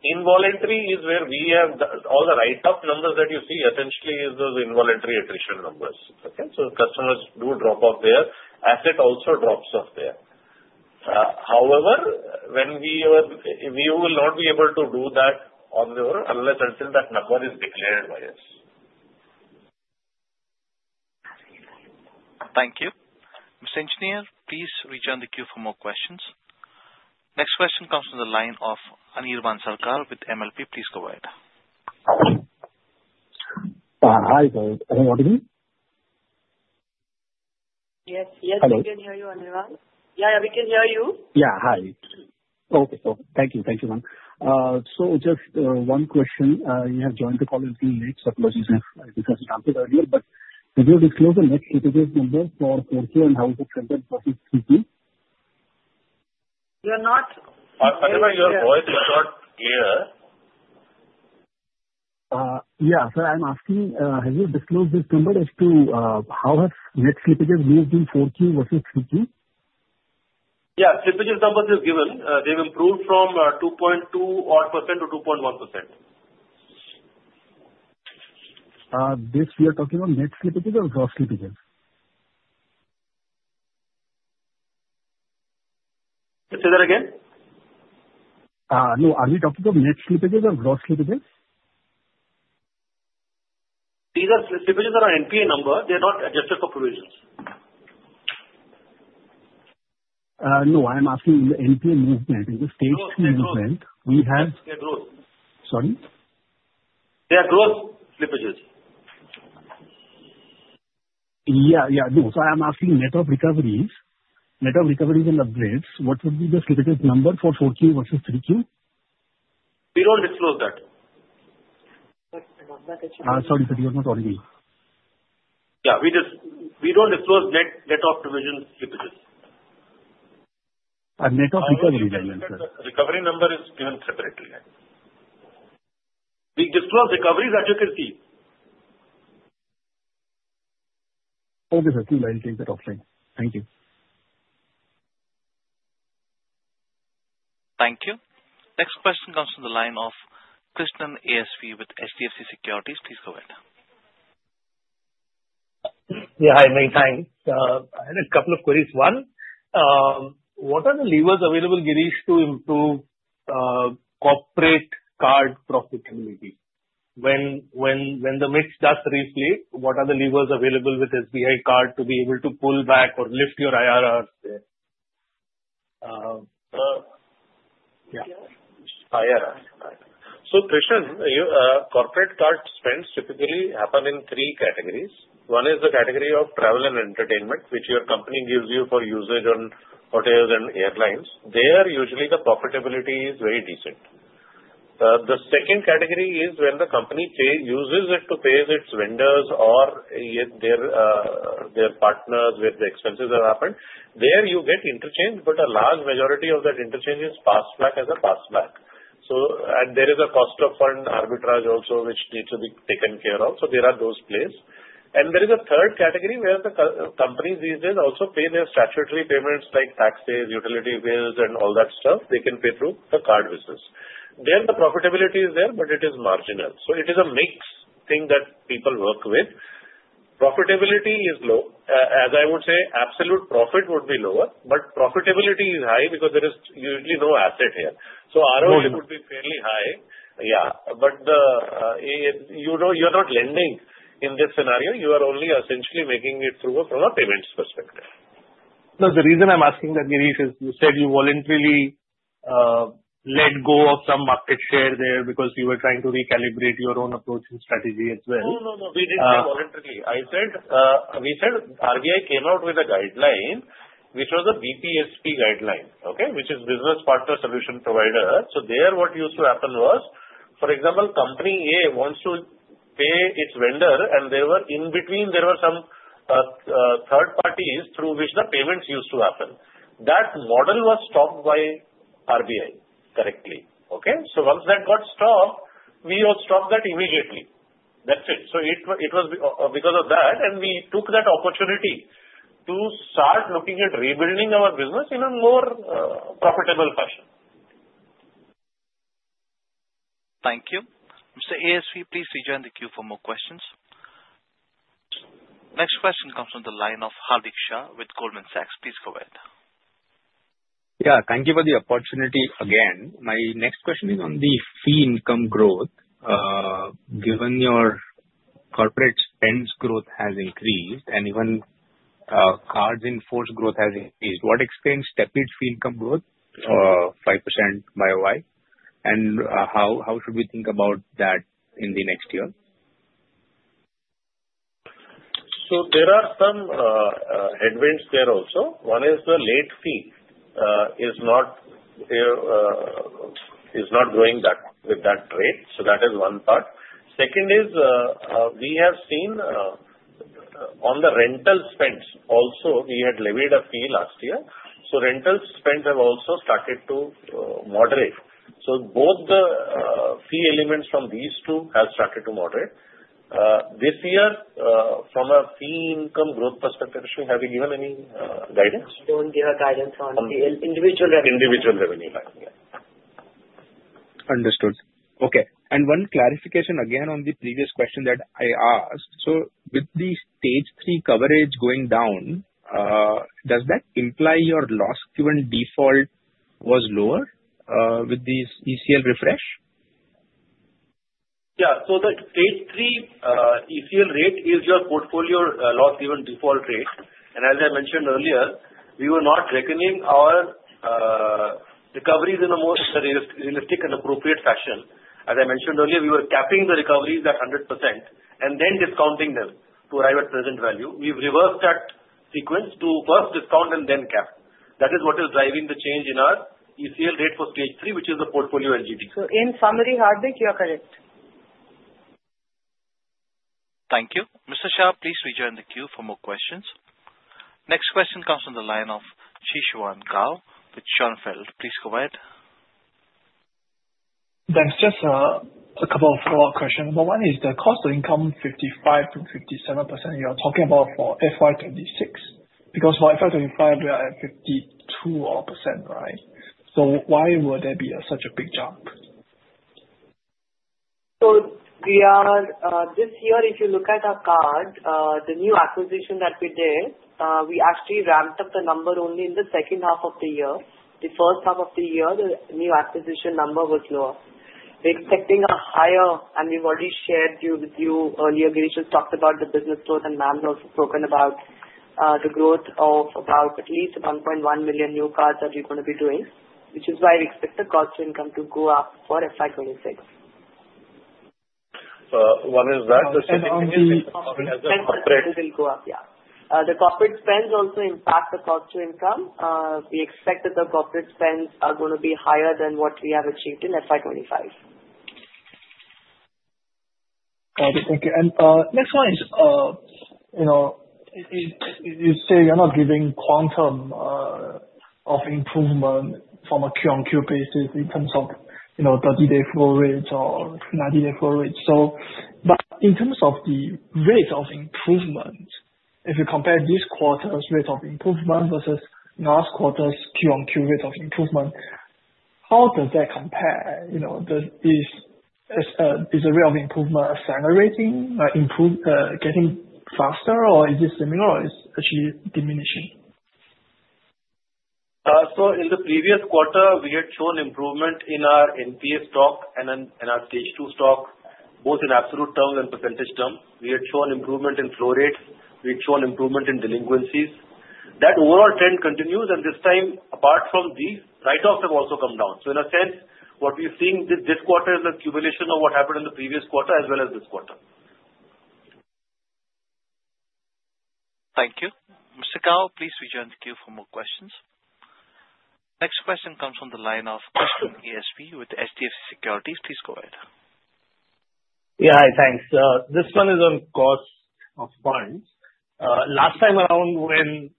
Involuntary is where we have all the write-off numbers that you see essentially is those involuntary attrition numbers. Okay? Customers do drop off there. Asset also drops off there. However, we will not be able to do that unless until that number is declared by us. Thank you. Mr. Engineer, please rejoin the queue for more questions. Next question comes from the line of Anirvan Sarkar with MLP. Please go ahead. Hi, sir. Hello. Good evening. Yes. Yes. We can hear you, Anirvan. Yeah. Yeah. We can hear you. Yeah. Hi. Okay. Thank you. Thank you, ma'am. Just one question. You have joined the call a few minutes ago as you have just answered earlier, but could you disclose the next itinerary number for 4Q and how it is presented versus 3Q? You're not. Anirvan, your voice is not clear. Yeah. So I'm asking, have you disclosed this number as to how have net slippages moved in 4Q versus 3Q? Yeah. Slippages numbers have given. They've improved from 2.2-odd % to 2.1%. These we are talking about net slippages or gross slippages? Say that again. No. Are we talking about net slippages or gross slippages? These are slippages that are NPA number. They're not adjusted for provisions. No. I'm asking NPA movement. It's a Stage 2 movement. We have gross. Sorry? They are gross slippages. Yeah. Yeah. No. So I'm asking net of recoveries. Net of recoveries and upgrades. What would be the slippages number for 4Q versus 3Q? We don't disclose that. Sorry, sir. You're not audible. Yeah. We don't disclose net of provision slippages. Net of recovery? Recovery number is given separately. We disclose recoveries adjacently. Okay, sir. I'll take that offline. Thank you. Thank you. Next question comes from the line of Krishnan ASV with HDFC Securities. Please go ahead. Yeah. Hi. Many thanks. I had a couple of queries. One, what are the levers available, Girish, to improve corporate card profitability? When the mix does reflate, what are the levers available with SBI Card to be able to pull back or lift your IRRs there? Yeah. So Krishnan, corporate card spends typically happen in three categories. One is the category of travel and entertainment, which your company gives you for usage on hotels and airlines. There, usually, the profitability is very decent. The second category is when the company uses it to pay its vendors or their partners where the expenses have happened. There, you get interchange, but a large majority of that interchange is passed back as a pass-back. There is a cost of fund arbitrage also which needs to be taken care of. There are those plays. There is a third category where the companies these days also pay their statutory payments like taxes, utility bills, and all that stuff. They can pay through the card business. There, the profitability is there, but it is marginal. It is a mixed thing that people work with. Profitability is low. As I would say, absolute profit would be lower, but profitability is high because there is usually no asset here. ROI would be fairly high. Yeah. You are not lending in this scenario. You are only essentially making it through from a payments perspective. No, the reason I'm asking that, Girish, is you said you voluntarily let go of some market share there because you were trying to recalibrate your own approach and strategy as well. No, no, no. We didn't say voluntarily. We said RBI came out with a guideline, which was a BPSP guideline, okay, which is Business Partner Solution Provider. There what used to happen was, for example, Company A wants to pay its vendor, and there were in between, there were some third parties through which the payments used to happen. That model was stopped by RBI correctly. Okay? Once that got stopped, we all stopped that immediately. That's it. It was because of that, and we took that opportunity to start looking at rebuilding our business in a more profitable fashion. Thank you. Mr. ASV, please rejoin the queue for more questions. Next question comes from the line of Hardik Shah with Goldman Sachs. Please go ahead. Yeah. Thank you for the opportunity again. My next question is on the fee income growth. Given your corporate spend growth has increased and even cards in force growth has increased, what explains tepid fee income growth, 5% YoY? And how should we think about that in the next year? There are some headwinds there also. One is the late fee is not growing with that rate. That is one part. Second is we have seen on the rental spends. Also, we had levied a fee last year. Rental spends have also started to moderate. Both the fee elements from these two have started to moderate. This year, from a fee income growth perspective, have you given any guidance? We do not give a guidance on the individual revenue. Individual revenue. Yeah. Understood. Okay. One clarification again on the previous question that I asked. With the Stage 3 coverage going down, does that imply your loss given default was lower with the ECL refresh? Yeah. The Stage 3 ECL rate is your portfolio loss given default rate. As I mentioned earlier, we were not reckoning our recoveries in the most realistic and appropriate fashion. As I mentioned earlier, we were capping the recoveries at 100% and then discounting them to arrive at present value. We have reversed that sequence to first discount and then cap. That is what is driving the change in our ECL rate for Stage 3, which is the portfolio LGD. In summary, Hardik, you are correct. Thank you. Mr. Shah, please rejoin the queue for more questions. Next question comes from the line of Zhixuan Gao with Schonfeld. Please go ahead. Thanks. Just a couple of follow-up questions. Number one is the cost to income, 55%-57% you're talking about for FY 2026. Because for FY 2025, we are at 52-odd %, right? Why would there be such a big jump? This year, if you look at our card, the new acquisition that we did, we actually ramped up the number only in the second half of the year. The first half of the year, the new acquisition number was lower. We're expecting a higher, and we've already shared with you earlier, Girish, we've talked about the business growth, and ma'am has spoken about the growth of about at least 1.1 million new cards that we're going to be doing, which is why we expect the cost to income to go up for FY 2026. One is that the spending will be as a corporate? The spending will go up, yeah. The corporate spends also impact the cost to income. We expect that the corporate spends are going to be higher than what we have achieved in FY 2025. Thank you. Thank you. Next one is you say you're not giving quantum of improvement from a Q-on-Q basis in terms of 30-day flow rate or 90-day flow rate. In terms of the rate of improvement, if you compare this quarter's rate of improvement versus last quarter's Q-on-Q rate of improvement, how does that compare? Is the rate of improvement accelerating, getting faster, or is it similar, or is it actually diminishing? In the previous quarter, we had shown improvement in our NPA stock and our Stage 2 stock, both in absolute terms and percentage terms. We had shown improvement in flow rates. We had shown improvement in delinquencies. That overall trend continues, and this time, apart from the write-offs, have also come down. In a sense, what we're seeing this quarter is a cumulation of what happened in the previous quarter as well as this quarter. Thank you. Mr. Gao, please rejoin the queue for more questions. Next question comes from the line of Krishnan ASV with HDFC Securities. Please go ahead. Yeah. Hi. Thanks. This one is on cost of funds. Last time around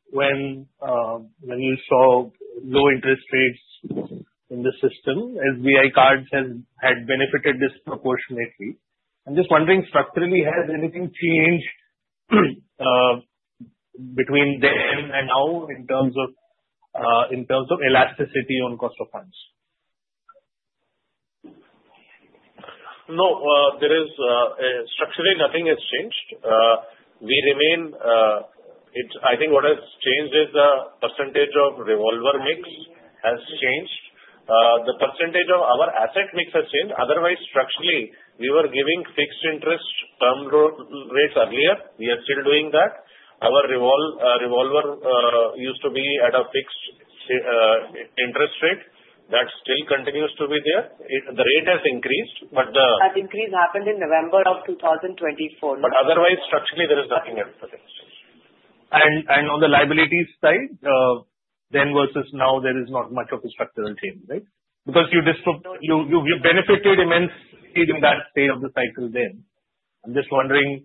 when you saw low interest rates in the system, SBI Cards had benefited disproportionately. I'm just wondering, structurally, has anything changed between then and now in terms of elasticity on cost of funds? No. Structurally, nothing has changed. I think what has changed is the percentage of revolver mix has changed. The percentage of our asset mix has changed. Otherwise, structurally, we were giving fixed interest term rates earlier. We are still doing that. Our revolver used to be at a fixed interest rate. That still continues to be there. The rate has increased, but the— But increase happened in November of 2024. Otherwise, structurally, there is nothing else for this. On the liability side, then versus now, there is not much of a structural change, right? Because you benefited immensely in that stage of the cycle then. I'm just wondering,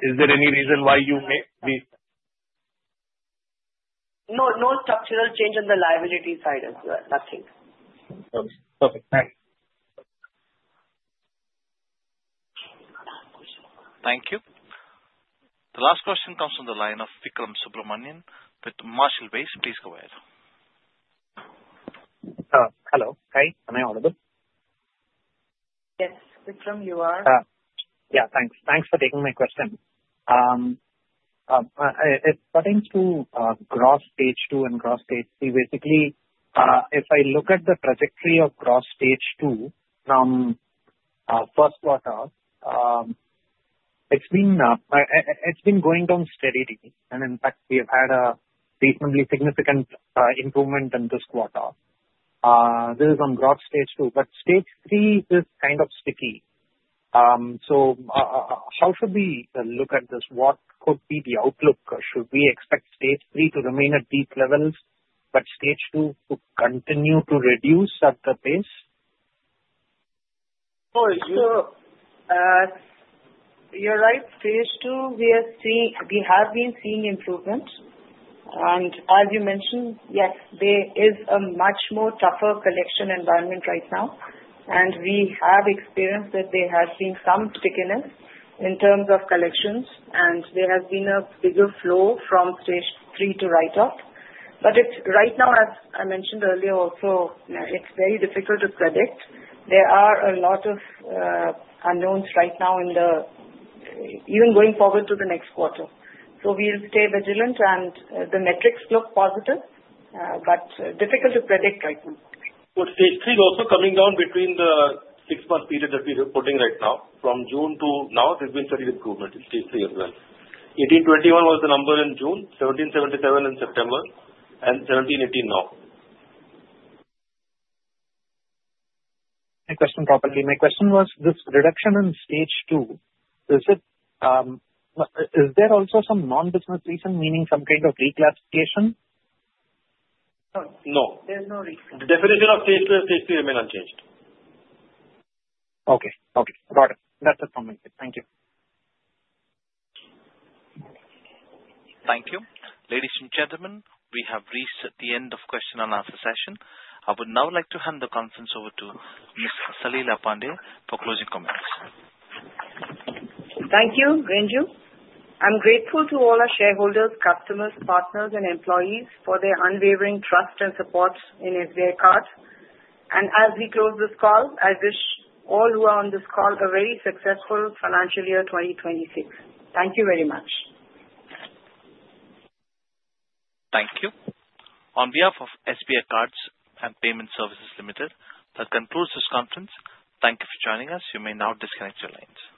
is there any reason why you may? No. No structural change on the liability side as well. Nothing. Perfect. Thanks. Thank you. The last question comes from the line of Vikram Subramanian with Marshall Wace. Please go ahead. Hello. Hi. Am I audible? Yes. Vikram, you are. Yeah. Thanks. Thanks for taking my question. It's cutting to gross Stage 2 and gross Stage 3. Basically, if I look at the trajectory of gross Stage 2 from first quarter, it has been going down steadily. In fact, we have had a reasonably significant improvement in this quarter. This is on gross Stage 2. Stage 3 is kind of sticky. How should we look at this? What could be the outlook? Should we expect Stage 3 to remain at these levels, but Stage 2 to continue to reduce at the pace? You're right. Stage 2, we have been seeing improvements. As you mentioned, yes, there is a much more tougher collection environment right now. We have experienced that there has been some stickiness in terms of collections. There has been a bigger flow from Stage 3 to write-off. Right now, as I mentioned earlier also, it is very difficult to predict. There are a lot of unknowns right now even going forward to the next quarter. We will stay vigilant. The metrics look positive, but difficult to predict right now. Stage 3 is also coming down between the six-month period that we are reporting right now. From June to now, there has been steady improvement in Stage 3 as well. 1,821 was the number in June, 1,777 in September, and 1,718 now. My question properly. My question was, this reduction in Stage 2, is there also some non-business reason, meaning some kind of reclassification? No. There is no reason. Definition of Stage 2, Stage 3 remain unchanged. Okay. Okay. Got it. That is it from my side. Thank you. Thank you. Ladies and gentlemen, we have reached the end of question and answer session. I would now like to hand the conference over to Ms. Salila Pande for closing comments. Thank you, Ranju. I'm grateful to all our shareholders, customers, partners, and employees for their unwavering trust and support in SBI Cards. As we close this call, I wish all who are on this call a very successful financial year 2026. Thank you very much. Thank you. On behalf of SBI Cards and Payment Services Limited, that concludes this conference. Thank you for joining us. You may now disconnect your lines.